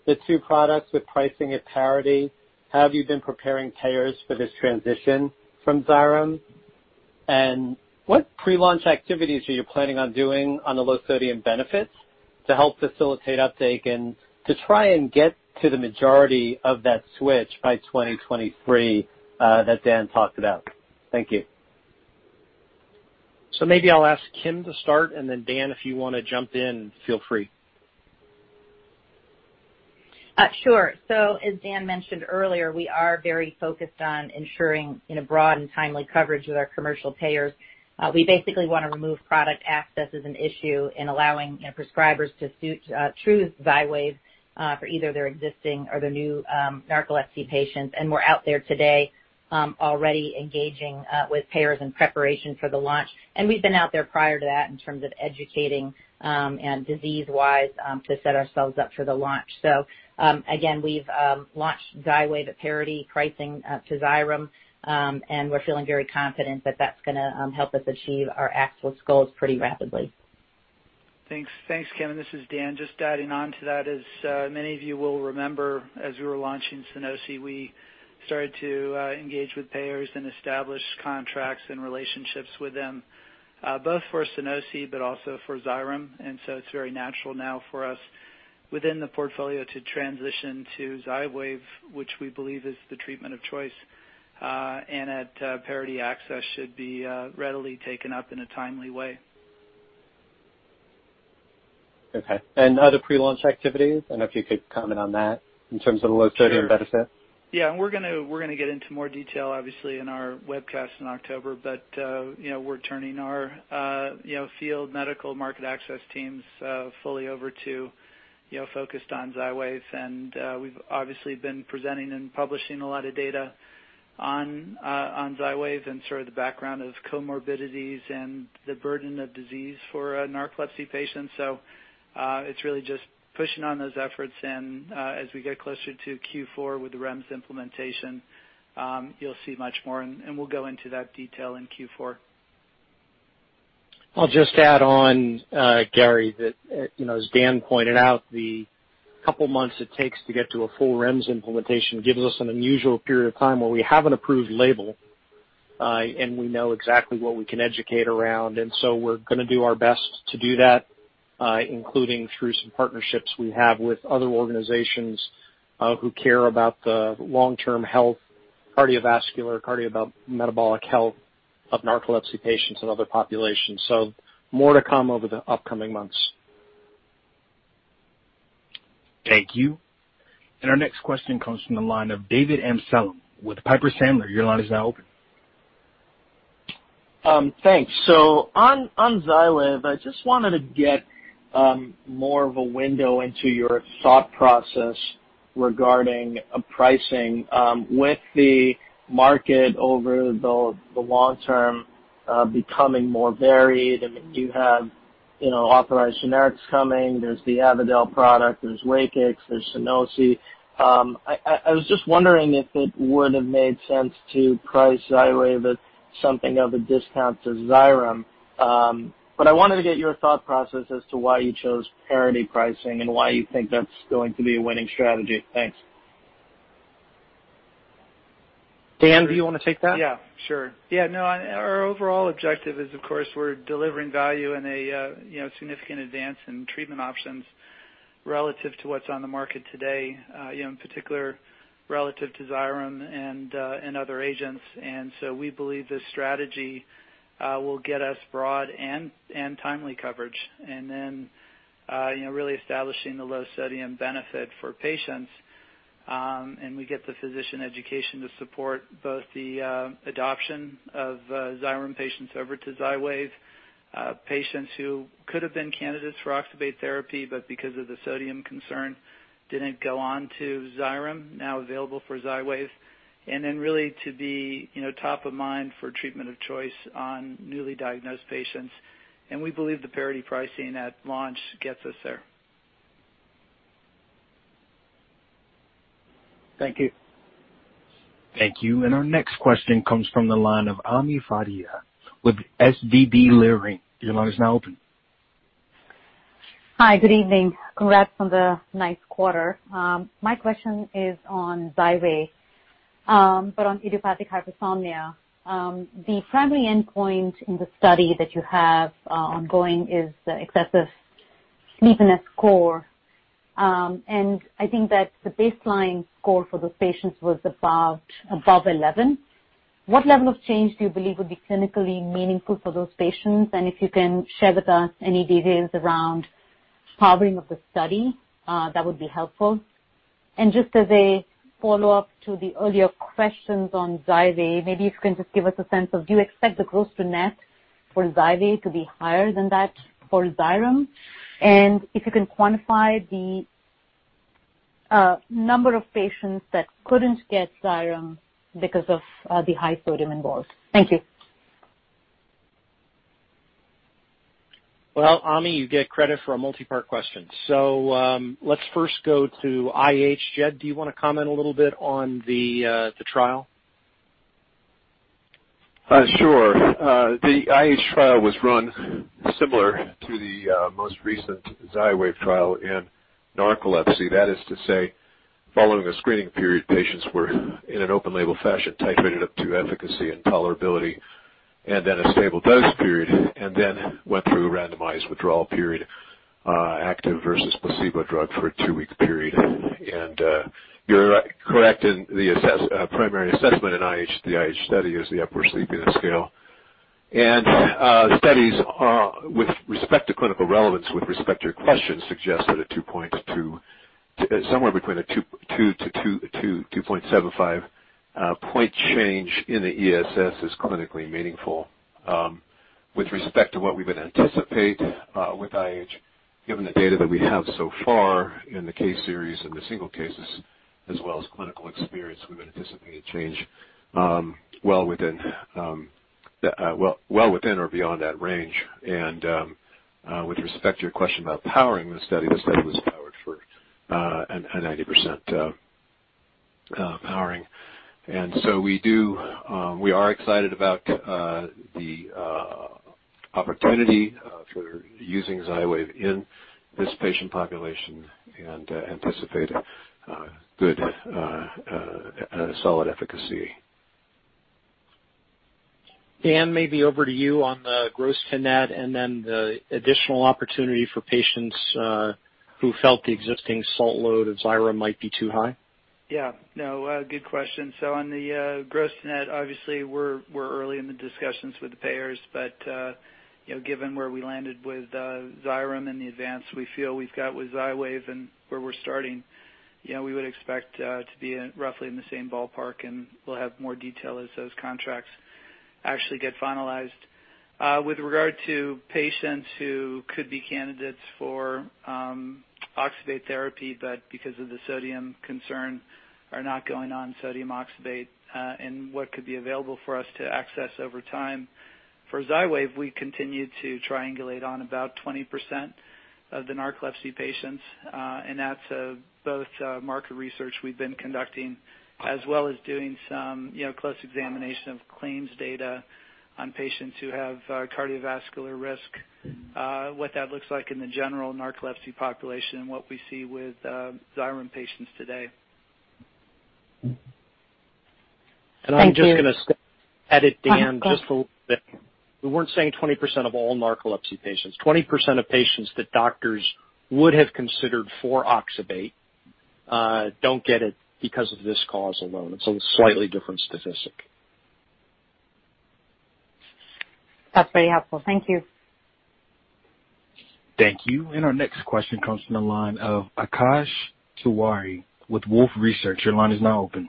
the two products with pricing at parity? How have you been preparing payers for this transition from Xyrem? And what pre-launch activities are you planning on doing on the low-sodium benefits to help facilitate uptake and to try and get to the majority of that switch by 2023 that Dan talked about? Thank you. So maybe I'll ask Kim to start, and then Dan, if you want to jump in, feel free. Sure. So as Dan mentioned earlier, we are very focused on ensuring broad and timely coverage with our commercial payers. We basically want to remove product access as an issue in allowing prescribers to choose Xywav for either their existing or their new narcolepsy patients. And we're out there today already engaging with payers in preparation for the launch. And we've been out there prior to that in terms of educating and disease-wise to set ourselves up for the launch. So again, we've launched Xywav at parity pricing to Xyrem, and we're feeling very confident that that's going to help us achieve our actual goals pretty rapidly. Thanks. Thanks, Kim. And this is Dan just adding on to that. As many of you will remember, as we were launching Sunosi, we started to engage with payers and establish contracts and relationships with them, both for Sunosi but also for Xyrem And so it's very natural now for us within the portfolio to transition to Xywav, which we believe is the treatment of choice. And that parity access should be readily taken up in a timely way. Okay. And other pre-launch activities? I don't know if you could comment on that in terms of the low-sodium benefits. Yeah. And we're going to get into more detail, obviously, in our webcast in October, but we're turning our field medical market access teams fully over to focused on Xywav. And we've obviously been presenting and publishing a lot of data on Xywav and sort of the background of comorbidities and the burden of disease for narcolepsy patients. So it's really just pushing on those efforts. And as we get closer to Q4 with the REMS implementation, you'll see much more, and we'll go into that detail in Q4. I'll just add on, Gary, that as Dan pointed out, the couple of months it takes to get to a full REMS implementation gives us an unusual period of time where we have an approved label, and we know exactly what we can educate around, and so we're going to do our best to do that, including through some partnerships we have with other organizations who care about the long-term health, cardiovascular, cardiometabolic health of narcolepsy patients and other populations, so more to come over the upcoming months. Thank you, and our next question comes from the line of David Amsellem with Piper Sandler. Your line is now open. Thanks. So on Xywav, I just wanted to get more of a window into your thought process regarding pricing with the market over the long term becoming more varied. I mean, you have authorized generics coming. There's the Avadel product. There's Wakix. There's Sunosi. I was just wondering if it would have made sense to price Xywav at something of a discount to Xyrem. But I wanted to get your thought process as to why you chose parity pricing and why you think that's going to be a winning strategy. Thanks. Dan, do you want to take that? Yeah. Sure. Yeah. No, our overall objective is, of course, we're delivering value and a significant advance in treatment options relative to what's on the market today, in particular relative to Xyrem and other agents. And so we believe this strategy will get us broad and timely coverage, and then really establishing the low-sodium benefit for patients. And we get the physician education to support both the adoption of Xyrem patients over to Xywav, patients who could have been candidates for oxybate therapy but because of the sodium concern didn't go on to Xyrem, now available for Xywav, and then really to be top of mind for treatment of choice on newly diagnosed patients. And we believe the parity pricing at launch gets us there. Thank you. Thank you. And our next question comes from the line of Ami Fadia with SVB Leerink. Your line is now open. Hi. Good evening. Congrats on the nice quarter. My question is on Xywav, but on idiopathic hypersomnia. The primary endpoint in the study that you have ongoing is excessive sleepiness score. And I think that the baseline score for those patients was above 11. What level of change do you believe would be clinically meaningful for those patients? And if you can share with us any details around powering of the study, that would be helpful. And just as a follow-up to the earlier questions on Xywav, maybe if you can just give us a sense of, do you expect the gross-to-net for Xywav to be higher than that for Xyrem? And if you can quantify the number of patients that couldn't get Xyrem because of the high sodium involved. Thank you. Ami, you get credit for a multi-part question. Let's first go to IH. Dan, do you want to comment a little bit on the trial? Sure. The IH trial was run similar to the most recent Xywav trial in narcolepsy. That is to say, following a screening period, patients were in an open-label fashion titrated up to efficacy and tolerability, and then a stable dose period, and then went through a randomized withdrawal period, active versus placebo drug for a two-week period. And you're correct in the primary assessment in IH, the IH study is the Epworth Sleepiness Scale. And studies with respect to clinical relevance with respect to your question suggest that a somewhere between a 2-2.75 point change in the ESS is clinically meaningful with respect to what we would anticipate with IH, given the data that we have so far in the case series and the single cases, as well as clinical experience. We would anticipate a change well within or beyond that range. With respect to your question about powering the study, the study was powered for a 90% powering. And so we are excited about the opportunity for using Xywav in this patient population and anticipate good solid efficacy. Dan, maybe over to you on the gross-to-net, and then the additional opportunity for patients who felt the existing salt load of Xyrem might be too high. Yeah. No, good question. So on the gross-to-net, obviously, we're early in the discussions with the payers, but given where we landed with Xyrem and the advance we feel we've got with Xywav and where we're starting, we would expect to be roughly in the same ballpark, and we'll have more detail as those contracts actually get finalized. With regard to patients who could be candidates for oxybate therapy but because of the sodium concern are not going on sodium oxybate and what could be available for us to access over time, for Xywav, we continue to triangulate on about 20% of the narcolepsy patients. That's both market research we've been conducting as well as doing some close examination of claims data on patients who have cardiovascular risk, what that looks like in the general narcolepsy population, and what we see with Xyrem patients today. I'm just going to add it, Dan, just a little bit. We weren't saying 20% of all narcolepsy patients. 20% of patients that doctors would have considered for oxybate don't get it because of this cause alone. It's a slightly different statistic. That's very helpful. Thank you. Thank you. And our next question comes from the line of Akash Tewari with Wolfe Research. Your line is now open.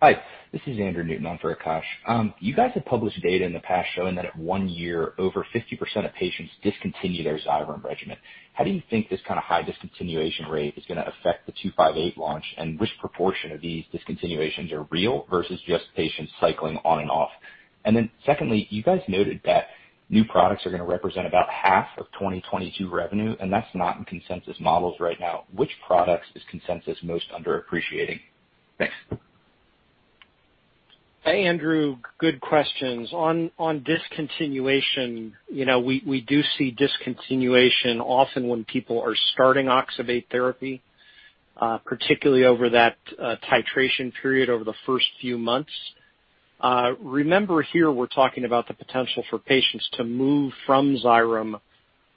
Hi. This is Andrew Newton. I'm for Akash. You guys have published data in the past showing that at one year, over 50% of patients discontinue their Xyrem regimen. How do you think this kind of high discontinuation rate is going to affect the JZP-458 launch? And which proportion of these discontinuations are real versus just patients cycling on and off? And then secondly, you guys noted that new products are going to represent about half of 2022 revenue, and that's not in consensus models right now. Which products is consensus most underappreciating? Thanks. Hey, Andrew. Good questions. On discontinuation, we do see discontinuation often when people are starting oxybate therapy, particularly over that titration period over the first few months. Remember, here we're talking about the potential for patients to move from Xyrem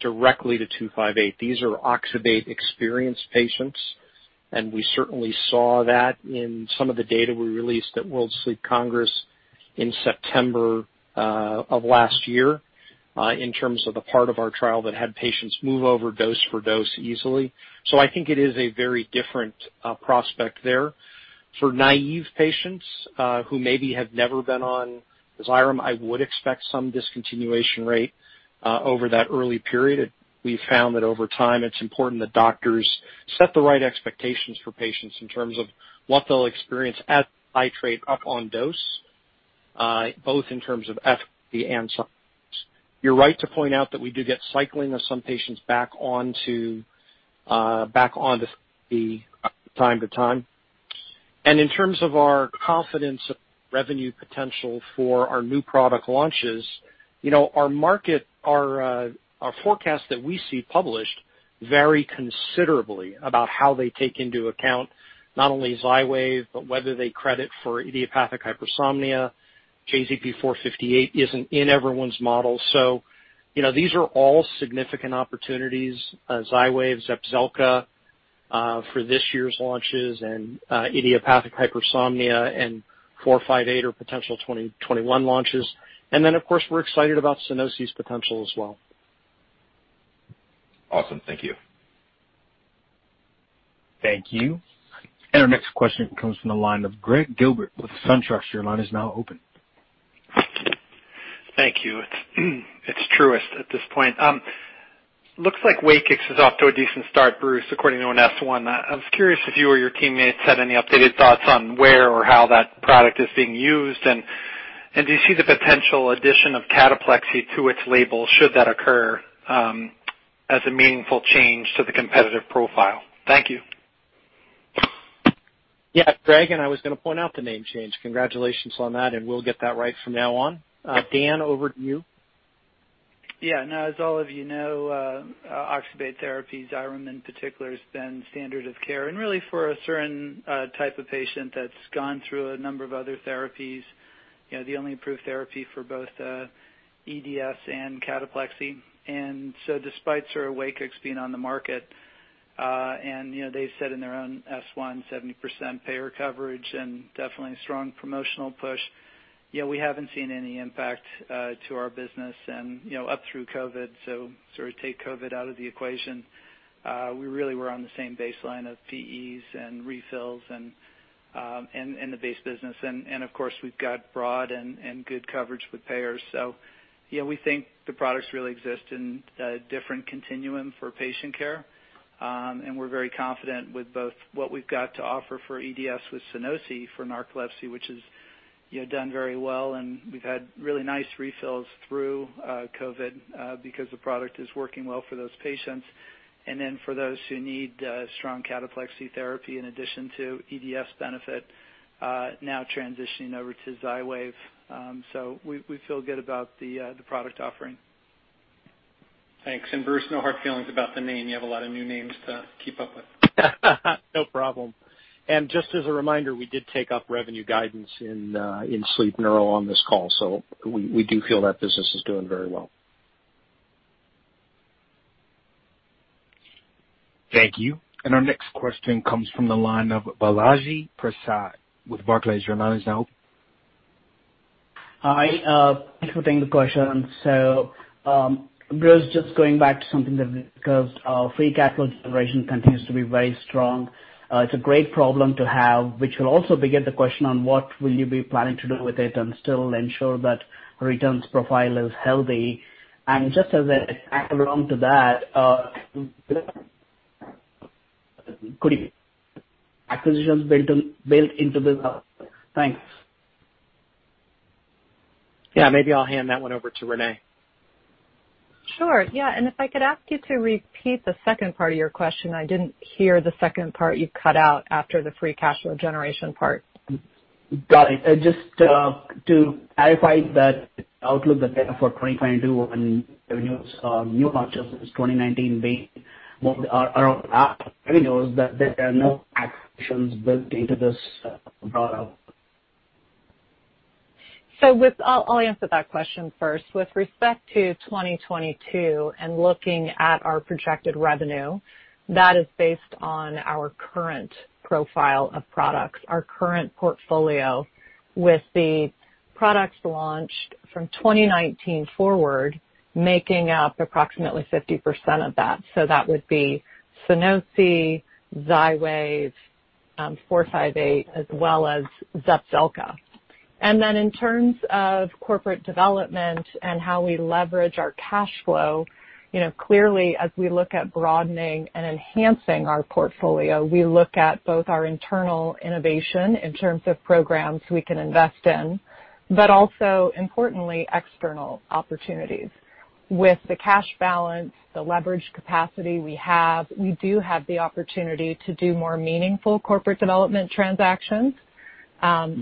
directly to 258. These are oxybate experienced patients, and we certainly saw that in some of the data we released at World Sleep Congress in September of last year in terms of the part of our trial that had patients move over dose for dose easily. So I think it is a very different prospect there. For naive patients who maybe have never been on Xyrem, I would expect some discontinuation rate over that early period. We've found that over time, it's important that doctors set the right expectations for patients in terms of what they'll experience as they titrate up on dose, both in terms of efficacy and tolerance. You're right to point out that we do get cycling of some patients back onto oxybate from time to time. And in terms of our confidence revenue potential for our new product launches, our forecasts that we see published vary considerably about how they take into account not only Xywav but whether they credit for idiopathic hypersomnia. JZP-458 isn't in everyone's model. So these are all significant opportunities: Xywav, Zepzelca for this year's launches, and idiopathic hypersomnia, and JZP-458 for potential 2021 launches. And then, of course, we're excited about Sunosi's potential as well. Awesome. Thank you. Thank you. And our next question comes from the line of Greg Gilbert with Truist. Your line is now open. Thank you. It's Truist at this point. Looks like Wakix is off to a decent start, Bruce, according to an S-1. I was curious if you or your teammates had any updated thoughts on where or how that product is being used, and do you see the potential addition of cataplexy to its label should that occur as a meaningful change to the competitive profile? Thank you. Yeah. Greg, and I was going to point out the name change. Congratulations on that, and we'll get that right from now on. Dan, over to you. Yeah. No, as all of you know, oxybate therapy, Xyrem in particular, has been standard of care. And really, for a certain type of patient that's gone through a number of other therapies, the only approved therapy for both EDS and cataplexy. And so despite sort of Wakix being on the market, and they've said in their own S-1, 70% payer coverage and definitely a strong promotional push, we haven't seen any impact to our business. And up through COVID, so sort of take COVID out of the equation, we really were on the same baseline of PEs and refills and the base business. And of course, we've got broad and good coverage with payers. So we think the products really exist in a different continuum for patient care. And we're very confident with both what we've got to offer for EDS with Sunosi for narcolepsy, which has done very well, and we've had really nice refills through COVID because the product is working well for those patients. And then for those who need strong cataplexy therapy in addition to EDS benefit, now transitioning over to Xywav. So we feel good about the product offering. Thanks. And Bruce, no hard feelings about the name. You have a lot of new names to keep up with. No problem. And just as a reminder, we did take up revenue guidance in Sleep Neuro on this call, so we do feel that business is doing very well. Thank you. And our next question comes from the line of Balaji Prasad with Barclays. Your line is now open. Hi. Thanks for taking the question. So Bruce, just going back to something that we discussed, free cash flow generation continues to be very strong. It's a great problem to have, which will also beget the question on what will you be planning to do with it and still ensure that returns profile is healthy, and just as a background to that, could you acquisitions built into this? Thanks. Yeah. Maybe I'll hand that one over to Renee. Sure. Yeah, and if I could ask you to repeat the second part of your question. I didn't hear the second part. You cut out after the free cash flow generation part. Got it. Just to clarify, that outlook for 2022, when new launches in 2019 are our revenues, that there are no acquisitions built into this rollout. I'll answer that question first. With respect to 2022 and looking at our projected revenue, that is based on our current profile of products, our current portfolio with the products launched from 2019 forward making up approximately 50% of that. That would be Sunosi, Xywav, JZP-458, as well as Zepzelca. And then in terms of corporate development and how we leverage our cash flow, clearly, as we look at broadening and enhancing our portfolio, we look at both our internal innovation in terms of programs we can invest in, but also, importantly, external opportunities. With the cash balance, the leverage capacity we have, we do have the opportunity to do more meaningful corporate development transactions.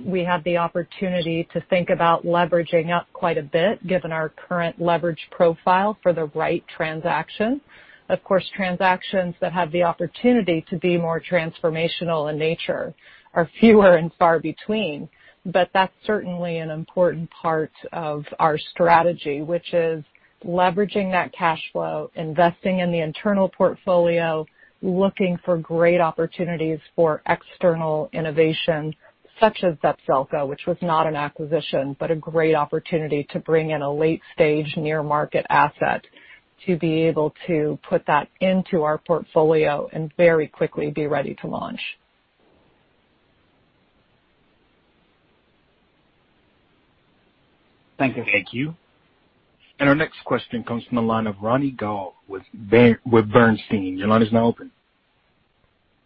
We have the opportunity to think about leveraging up quite a bit, given our current leverage profile for the right transaction. Of course, transactions that have the opportunity to be more transformational in nature are fewer and far between, but that's certainly an important part of our strategy, which is leveraging that cash flow, investing in the internal portfolio, looking for great opportunities for external innovation, such as Zepzelca, which was not an acquisition but a great opportunity to bring in a late-stage near-market asset to be able to put that into our portfolio and very quickly be ready to launch. Thank you. Thank you. And our next question comes from the line of Ronny Gal with Bernstein. Your line is now open.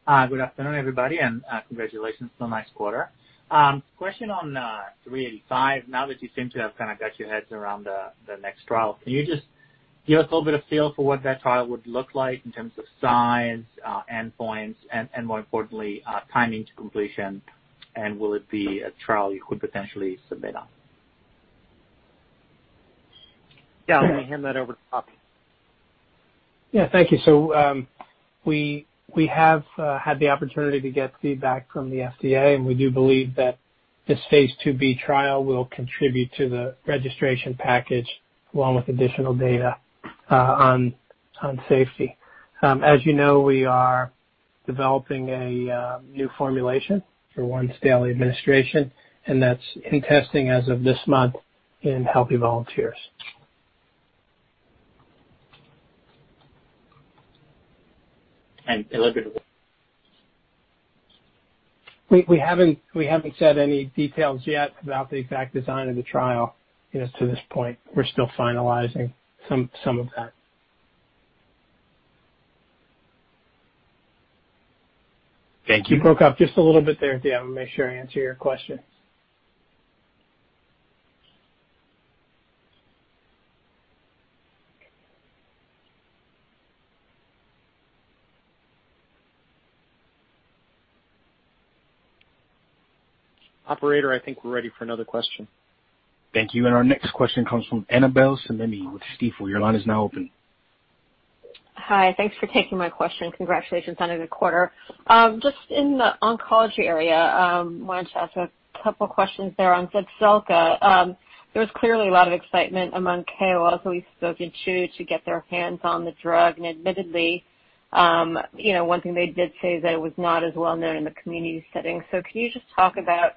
Hi. Good afternoon, everybody, and congratulations on the nice quarter. Question on 385. Now that you seem to have kind of got your heads around the next trial, can you just give us a little bit of feel for what that trial would look like in terms of size, endpoints, and more importantly, timing to completion? And will it be a trial you could potentially submit on? Yeah. Let me hand that over to Robby. Yeah. Thank you. So we have had the opportunity to get feedback from the FDA, and we do believe that this Phase IIb trial will contribute to the registration package along with additional data on safety. As you know, we are developing a new formulation for once-daily administration, and that's in testing as of this month in healthy volunteers. And a little bit of. We haven't said any details yet about the exact design of the trial to this point. We're still finalizing some of that. Thank you. You broke up just a little bit there, Dan. I want to make sure I answer your question. Operator, I think we're ready for another question. Thank you. And our next question comes from Annabel Samimy with Stifel. Your line is now open. Hi. Thanks for taking my question. Congratulations on a good quarter. Just in the oncology area, I wanted to ask a couple of questions there on Zepzelca. There was clearly a lot of excitement among KOLs who we've spoken to to get their hands on the drug, and admittedly, one thing they did say is that it was not as well known in the community setting, so can you just talk about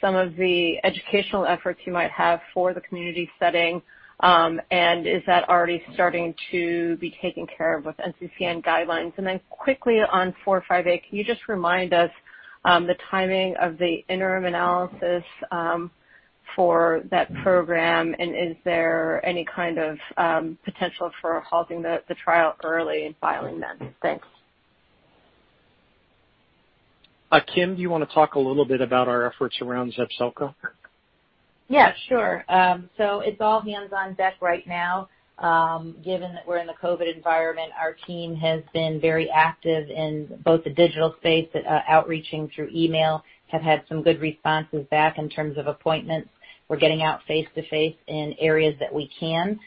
some of the educational efforts you might have for the community setting? And is that already starting to be taken care of with NCCN guidelines? And then quickly on JZP-458, can you just remind us the timing of the interim analysis for that program? And is there any kind of potential for halting the trial early and filing then? Thanks. Kim, do you want to talk a little bit about our efforts around Zepzelca? Yeah. Sure. So it's all hands on deck right now. Given that we're in the COVID environment, our team has been very active in both the digital space, outreaching through email, have had some good responses back in terms of appointments. We're getting out face-to-face in areas that we can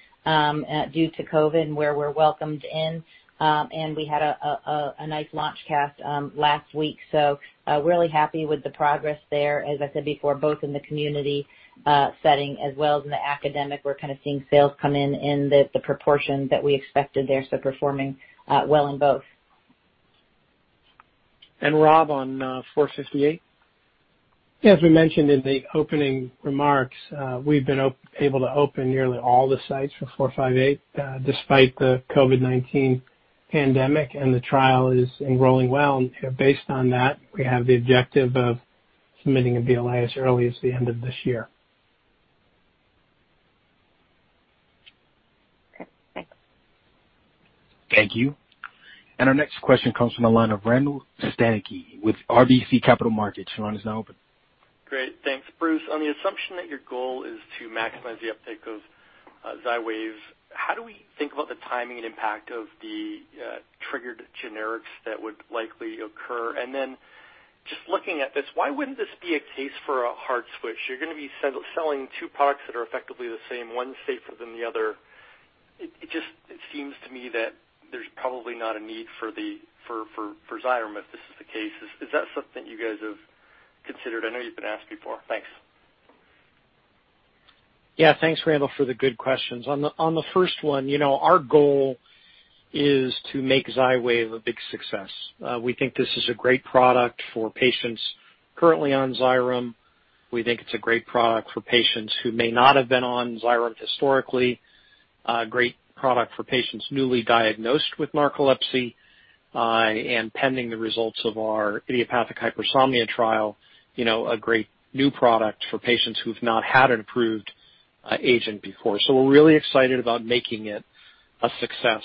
due to COVID and where we're welcomed in. And we had a nice launch cast last week. So really happy with the progress there. As I said before, both in the community setting as well as in the academic, we're kind of seeing sales come in in the proportion that we expected there. So performing well in both. And Rob on JZP-458? Yeah. As we mentioned in the opening remarks, we've been able to open nearly all the sites for JZP-458 despite the COVID-19 pandemic, and the trial is enrolling well, and based on that, we have the objective of submitting a BLA as early as the end of this year. Okay. Thanks. Thank you. And our next question comes from the line of Randall Stanicky with RBC Capital Markets. Your line is now open. Great. Thanks. Bruce, on the assumption that your goal is to maximize the uptake of Xywav, how do we think about the timing and impact of the triggered generics that would likely occur? And then just looking at this, why wouldn't this be a case for a hard switch? You're going to be selling two products that are effectively the same, one safer than the other. It just seems to me that there's probably not a need for Xyrem if this is the case. Is that something that you guys have considered? I know you've been asked before. Thanks. Yeah. Thanks, Randall, for the good questions. On the first one, our goal is to make Xywav a big success. We think this is a great product for patients currently on Xyrem. We think it's a great product for patients who may not have been on Xyrem historically, a great product for patients newly diagnosed with narcolepsy, and pending the results of our idiopathic hypersomnia trial, a great new product for patients who've not had an approved agent before. So we're really excited about making it a success.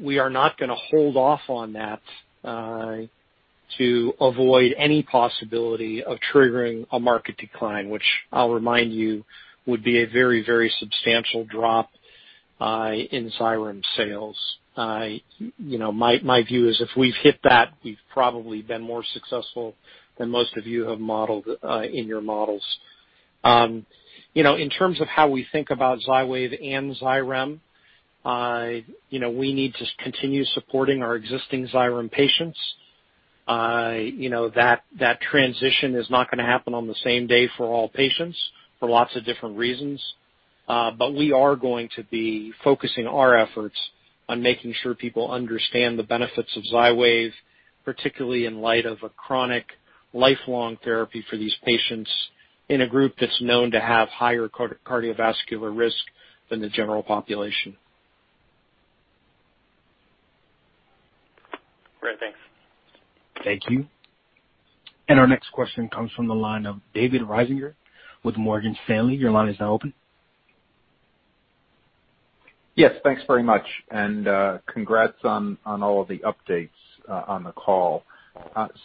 We are not going to hold off on that to avoid any possibility of triggering a market decline, which I'll remind you would be a very, very substantial drop in Xyrem sales. My view is if we've hit that, we've probably been more successful than most of you have modeled in your models. In terms of how we think about Xywav and Xyrem, we need to continue supporting our existing Xyrem patients. That transition is not going to happen on the same day for all patients for lots of different reasons. But we are going to be focusing our efforts on making sure people understand the benefits of Xywav, particularly in light of a chronic lifelong therapy for these patients in a group that's known to have higher cardiovascular risk than the general population. Great. Thanks. Thank you. And our next question comes from the line of David Risinger with Morgan Stanley. Your line is now open. Yes. Thanks very much. And congrats on all of the updates on the call.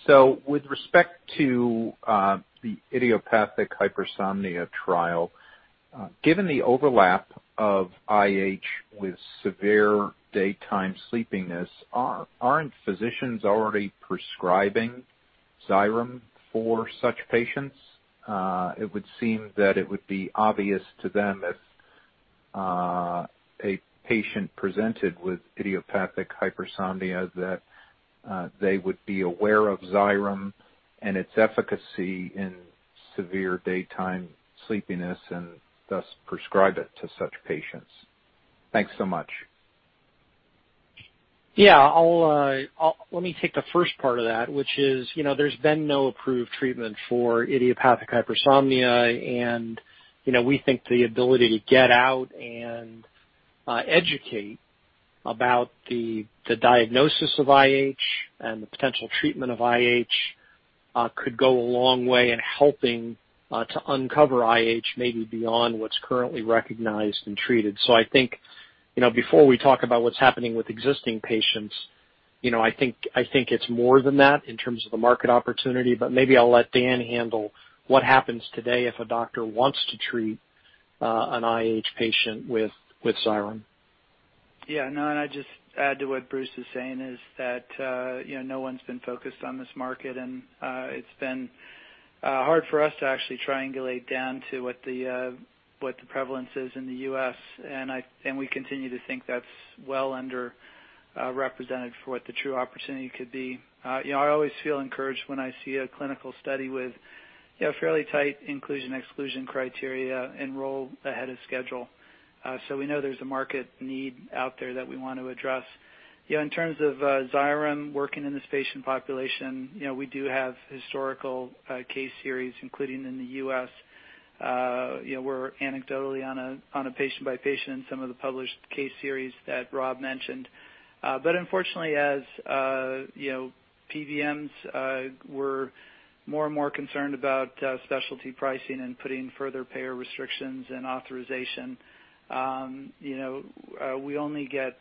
So with respect to the idiopathic hypersomnia trial, given the overlap of IH with severe daytime sleepiness, aren't physicians already prescribing Xyrem for such patients? It would seem that it would be obvious to them if a patient presented with idiopathic hypersomnia that they would be aware of Xyrem and its efficacy in severe daytime sleepiness and thus prescribe it to such patients. Thanks so much. Yeah. Let me take the first part of that, which is there's been no approved treatment for idiopathic hypersomnia, and we think the ability to get out and educate about the diagnosis of IH and the potential treatment of IH could go a long way in helping to uncover IH maybe beyond what's currently recognized and treated. So I think before we talk about what's happening with existing patients, I think it's more than that in terms of the market opportunity, but maybe I'll let Dan handle what happens today if a doctor wants to treat an IH patient with Xyrem. Yeah. No, and I'd just add to what Bruce is saying is that no one's been focused on this market, and it's been hard for us to actually triangulate down to what the prevalence is in the U.S., and we continue to think that's well underrepresented for what the true opportunity could be. I always feel encouraged when I see a clinical study with fairly tight inclusion-exclusion criteria enroll ahead of schedule, so we know there's a market need out there that we want to address. In terms of Xyrem working in this patient population, we do have historical case series, including in the U.S. We're anecdotally on a patient-by-patient in some of the published case series that Rob mentioned. But unfortunately, as PBMs were more and more concerned about specialty pricing and putting further payer restrictions and authorization, we only get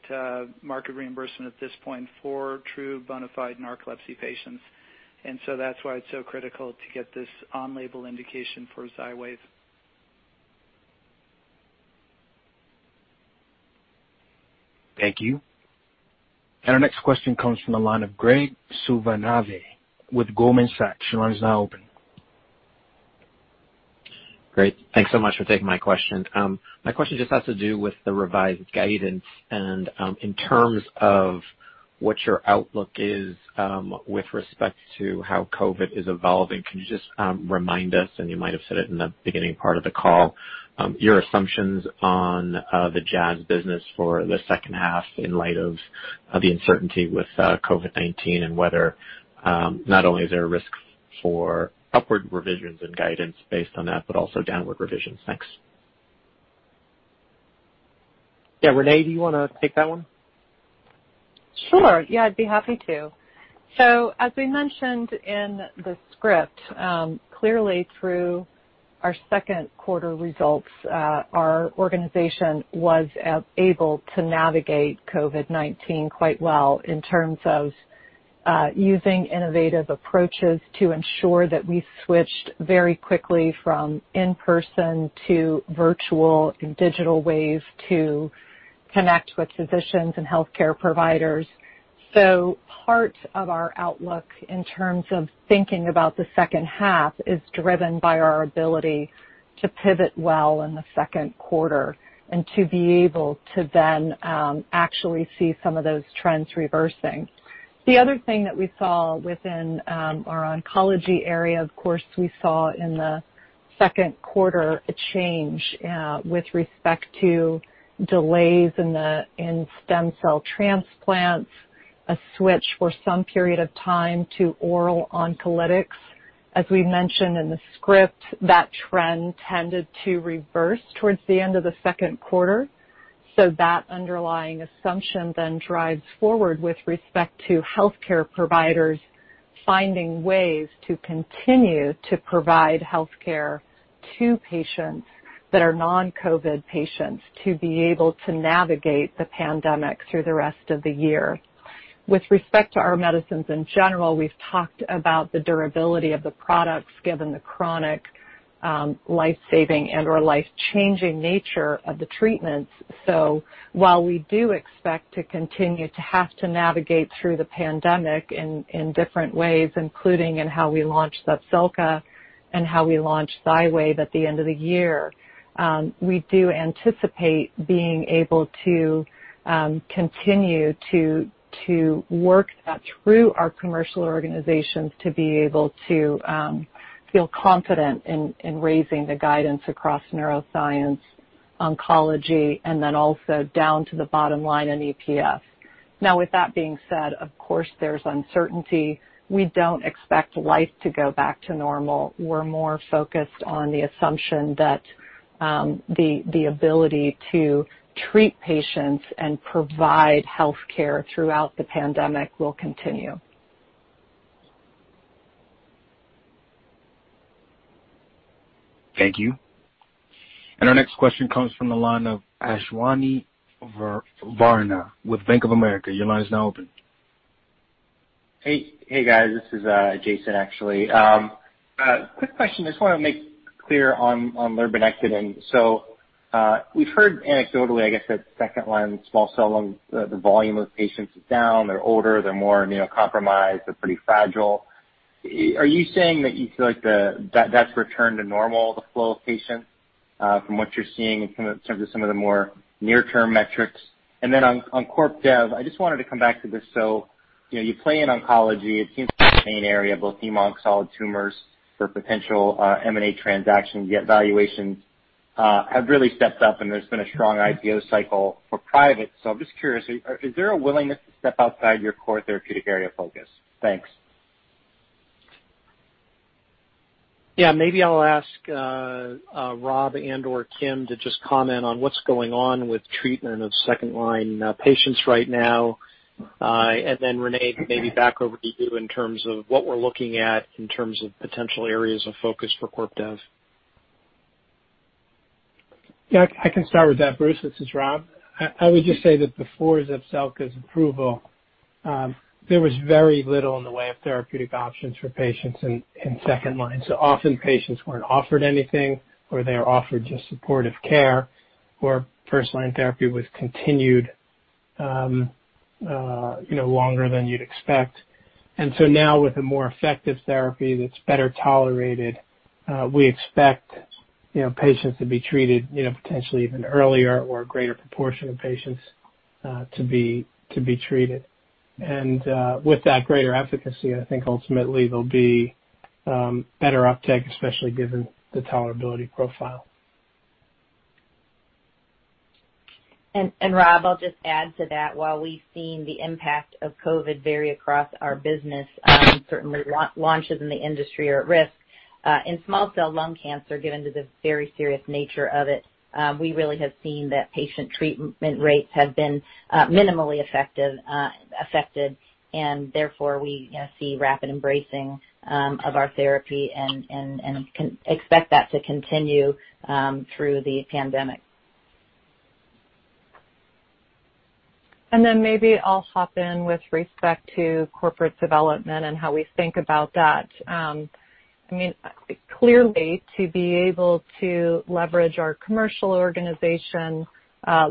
market reimbursement at this point for true bona fide narcolepsy patients. And so that's why it's so critical to get this on-label indication for Xywav. Thank you. And our next question comes from the line of Graig Suvannavejh with Goldman Sachs. Your line is now open. Great. Thanks so much for taking my question. My question just has to do with the revised guidance. And in terms of what your outlook is with respect to how COVID is evolving, can you just remind us, and you might have said it in the beginning part of the call, your assumptions on the Jazz's business for the second half in light of the uncertainty with COVID-19 and whether not only is there a risk for upward revisions in guidance based on that, but also downward revisions? Thanks. Yeah. Renee, do you want to take that one? Sure. Yeah. I'd be happy to. So as we mentioned in the script, clearly through our second quarter results, our organization was able to navigate COVID-19 quite well in terms of using innovative approaches to ensure that we switched very quickly from in-person to virtual and digital ways to connect with physicians and healthcare providers. So part of our outlook in terms of thinking about the second half is driven by our ability to pivot well in the second quarter and to be able to then actually see some of those trends reversing. The other thing that we saw within our oncology area, of course, we saw in the second quarter a change with respect to delays in stem cell transplants, a switch for some period of time to oral oncolytics. As we mentioned in the script, that trend tended to reverse towards the end of the second quarter. So that underlying assumption then drives forward with respect to healthcare providers finding ways to continue to provide healthcare to patients that are non-COVID patients to be able to navigate the pandemic through the rest of the year. With respect to our medicines in general, we've talked about the durability of the products given the chronic life-saving and/or life-changing nature of the treatments. So while we do expect to continue to have to navigate through the pandemic in different ways, including in how we launch Zepzelca and how we launch Xywav at the end of the year, we do anticipate being able to continue to work that through our commercial organizations to be able to feel confident in raising the guidance across neuroscience, oncology, and then also down to the bottom line in EPS. Now, with that being said, of course, there's uncertainty. We don't expect life to go back to normal. We're more focused on the assumption that the ability to treat patients and provide healthcare throughout the pandemic will continue. Thank you. And our next question comes from the line of Asheesh Verma with Bank of America. Your line is now open. Hey, guys. This is Jason, actually. Quick question. I just want to make clear on lurbinectedin. So we've heard anecdotally, I guess, that second line small cell lungs, the volume of patients is down. They're older. They're more immunocompromised. They're pretty fragile. Are you saying that you feel like that's returned to normal, the flow of patients from what you're seeing in terms of some of the more near-term metrics? And then on CorpDev, I just wanted to come back to this. So you play in oncology. It seems like the main area, both hemo-onc, solid tumors for potential M&A transactions, yet valuations have really stepped up, and there's been a strong IPO cycle for private. So I'm just curious, is there a willingness to step outside your core therapeutic area of focus? Thanks. Yeah. Maybe I'll ask Rob and/or Kim to just comment on what's going on with treatment of second-line patients right now, and then, Renee, maybe back over to you in terms of what we're looking at in terms of potential areas of focus for CorpDev. Yeah. I can start with that. Bruce, this is Rob. I would just say that before Zepzelca's approval, there was very little in the way of therapeutic options for patients in second line. So often, patients weren't offered anything, or they were offered just supportive care, or first-line therapy was continued longer than you'd expect. And so now, with a more effective therapy that's better tolerated, we expect patients to be treated potentially even earlier or a greater proportion of patients to be treated. And with that greater efficacy, I think ultimately there'll be better uptake, especially given the tolerability profile. And Rob, I'll just add to that. While we've seen the impact of COVID vary across our business, certainly launches in the industry are at risk. In small cell lung cancer, given the very serious nature of it, we really have seen that patient treatment rates have been minimally affected, and therefore, we see rapid embracing of our therapy and expect that to continue through the pandemic. And then maybe I'll hop in with respect to corporate development and how we think about that. I mean, clearly, to be able to leverage our commercial organization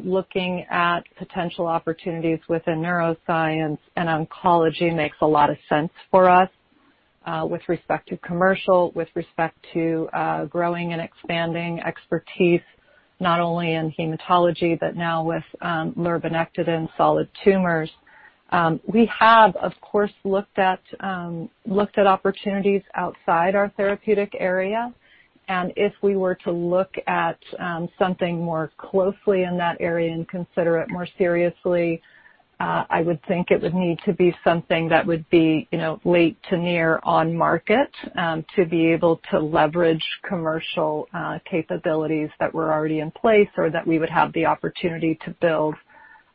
looking at potential opportunities within neuroscience and oncology makes a lot of sense for us with respect to commercial, with respect to growing and expanding expertise, not only in hematology but now with lurbinectedin in solid tumors. We have, of course, looked at opportunities outside our therapeutic area. If we were to look at something more closely in that area and consider it more seriously, I would think it would need to be something that would be late to near on market to be able to leverage commercial capabilities that were already in place or that we would have the opportunity to build.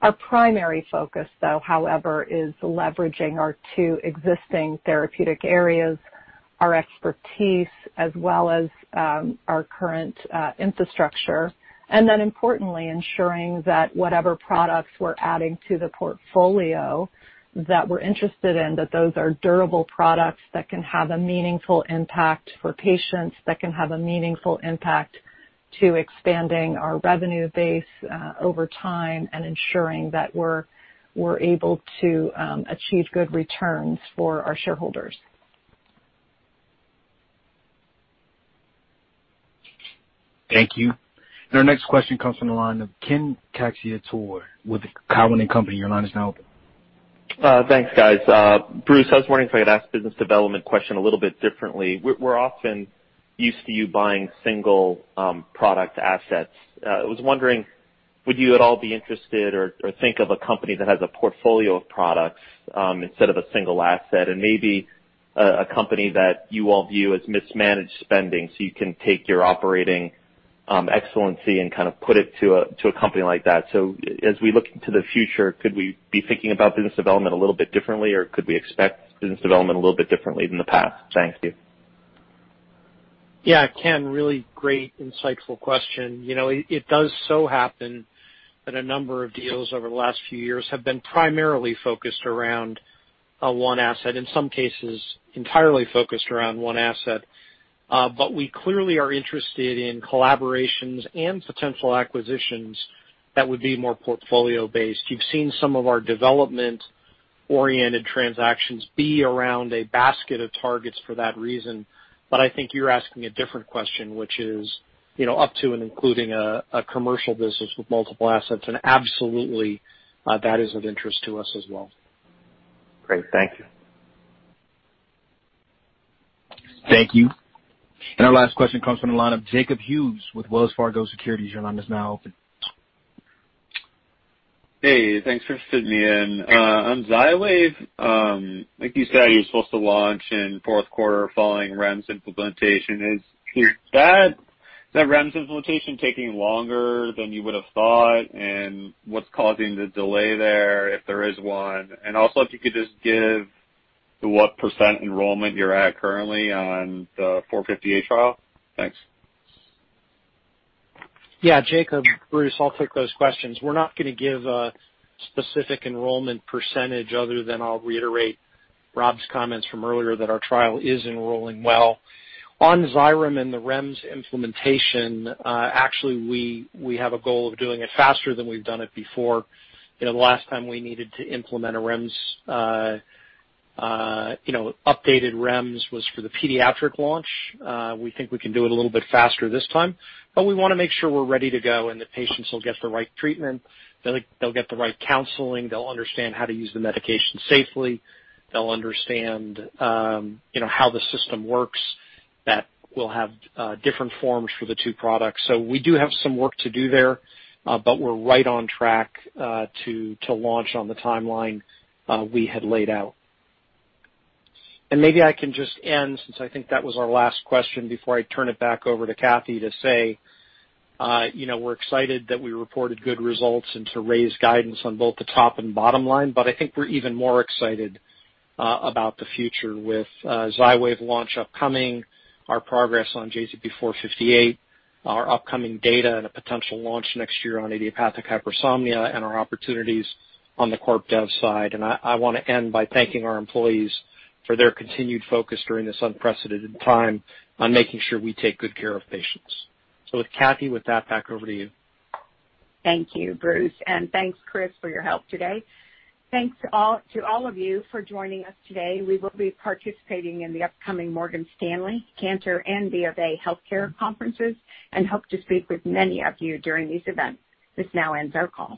Our primary focus, though, however, is leveraging our two existing therapeutic areas, our expertise, as well as our current infrastructure, and then importantly, ensuring that whatever products we're adding to the portfolio that we're interested in, that those are durable products that can have a meaningful impact for patients, that can have a meaningful impact to expanding our revenue base over time and ensuring that we're able to achieve good returns for our shareholders. Thank you. And our next question comes from the line of Ken Cacciatore with Cowen and Company. Your line is now open. Thanks, guys. Bruce, I was wondering if I could ask a business development question a little bit differently. We're often used to you buying single product assets. I was wondering, would you at all be interested or think of a company that has a portfolio of products instead of a single asset and maybe a company that you all view as mismanaged spending so you can take your operating excellence and kind of put it to a company like that? So as we look to the future, could we be thinking about business development a little bit differently, or could we expect business development a little bit differently than the past? Thank you. Yeah. Ken, really great, insightful question. It does so happen that a number of deals over the last few years have been primarily focused around one asset, in some cases entirely focused around one asset. But we clearly are interested in collaborations and potential acquisitions that would be more portfolio-based. You've seen some of our development-oriented transactions be around a basket of targets for that reason. But I think you're asking a different question, which is up to and including a commercial business with multiple assets, and absolutely, that is of interest to us as well. Great. Thank you. Thank you. And our last question comes from the line of Jacob Hughes with Wells Fargo Securities. Your line is now open. Hey. Thanks for sitting me in. On Xywav, like you said, you're supposed to launch in fourth quarter following REMS implementation. Is that REMS implementation taking longer than you would have thought? And what's causing the delay there, if there is one? And also, if you could just give the what percent enrollment you're at currently on the 458 trial? Thanks. Yeah. Jacob, Bruce, I'll take those questions. We're not going to give a specific enrollment percentage other than I'll reiterate Rob's comments from earlier that our trial is enrolling well. On Xyrem and the REMS implementation, actually, we have a goal of doing it faster than we've done it before. The last time we needed to implement an updated REMS was for the pediatric launch. We think we can do it a little bit faster this time. But we want to make sure we're ready to go and the patients will get the right treatment. They'll get the right counseling. They'll understand how to use the medication safely. They'll understand how the system works that will have different forms for the two products. So we do have some work to do there, but we're right on track to launch on the timeline we had laid out. And maybe I can just end, since I think that was our last question, before I turn it back over to Kathee to say we're excited that we reported good results and to raise guidance on both the top and bottom line. But I think we're even more excited about the future with Xywav launch upcoming, our progress on JZP-458, our upcoming data and a potential launch next year on idiopathic hypersomnia, and our opportunities on the CorpDev side. And I want to end by thanking our employees for their continued focus during this unprecedented time on making sure we take good care of patients. So, with that, back over to you, Kathee. Thank you, Bruce. And thanks, Chris, for your help today. Thanks to all of you for joining us today. We will be participating in the upcoming Morgan Stanley, Cantor, and BofA healthcare conferences and hope to speak with many of you during these events. This now ends our call.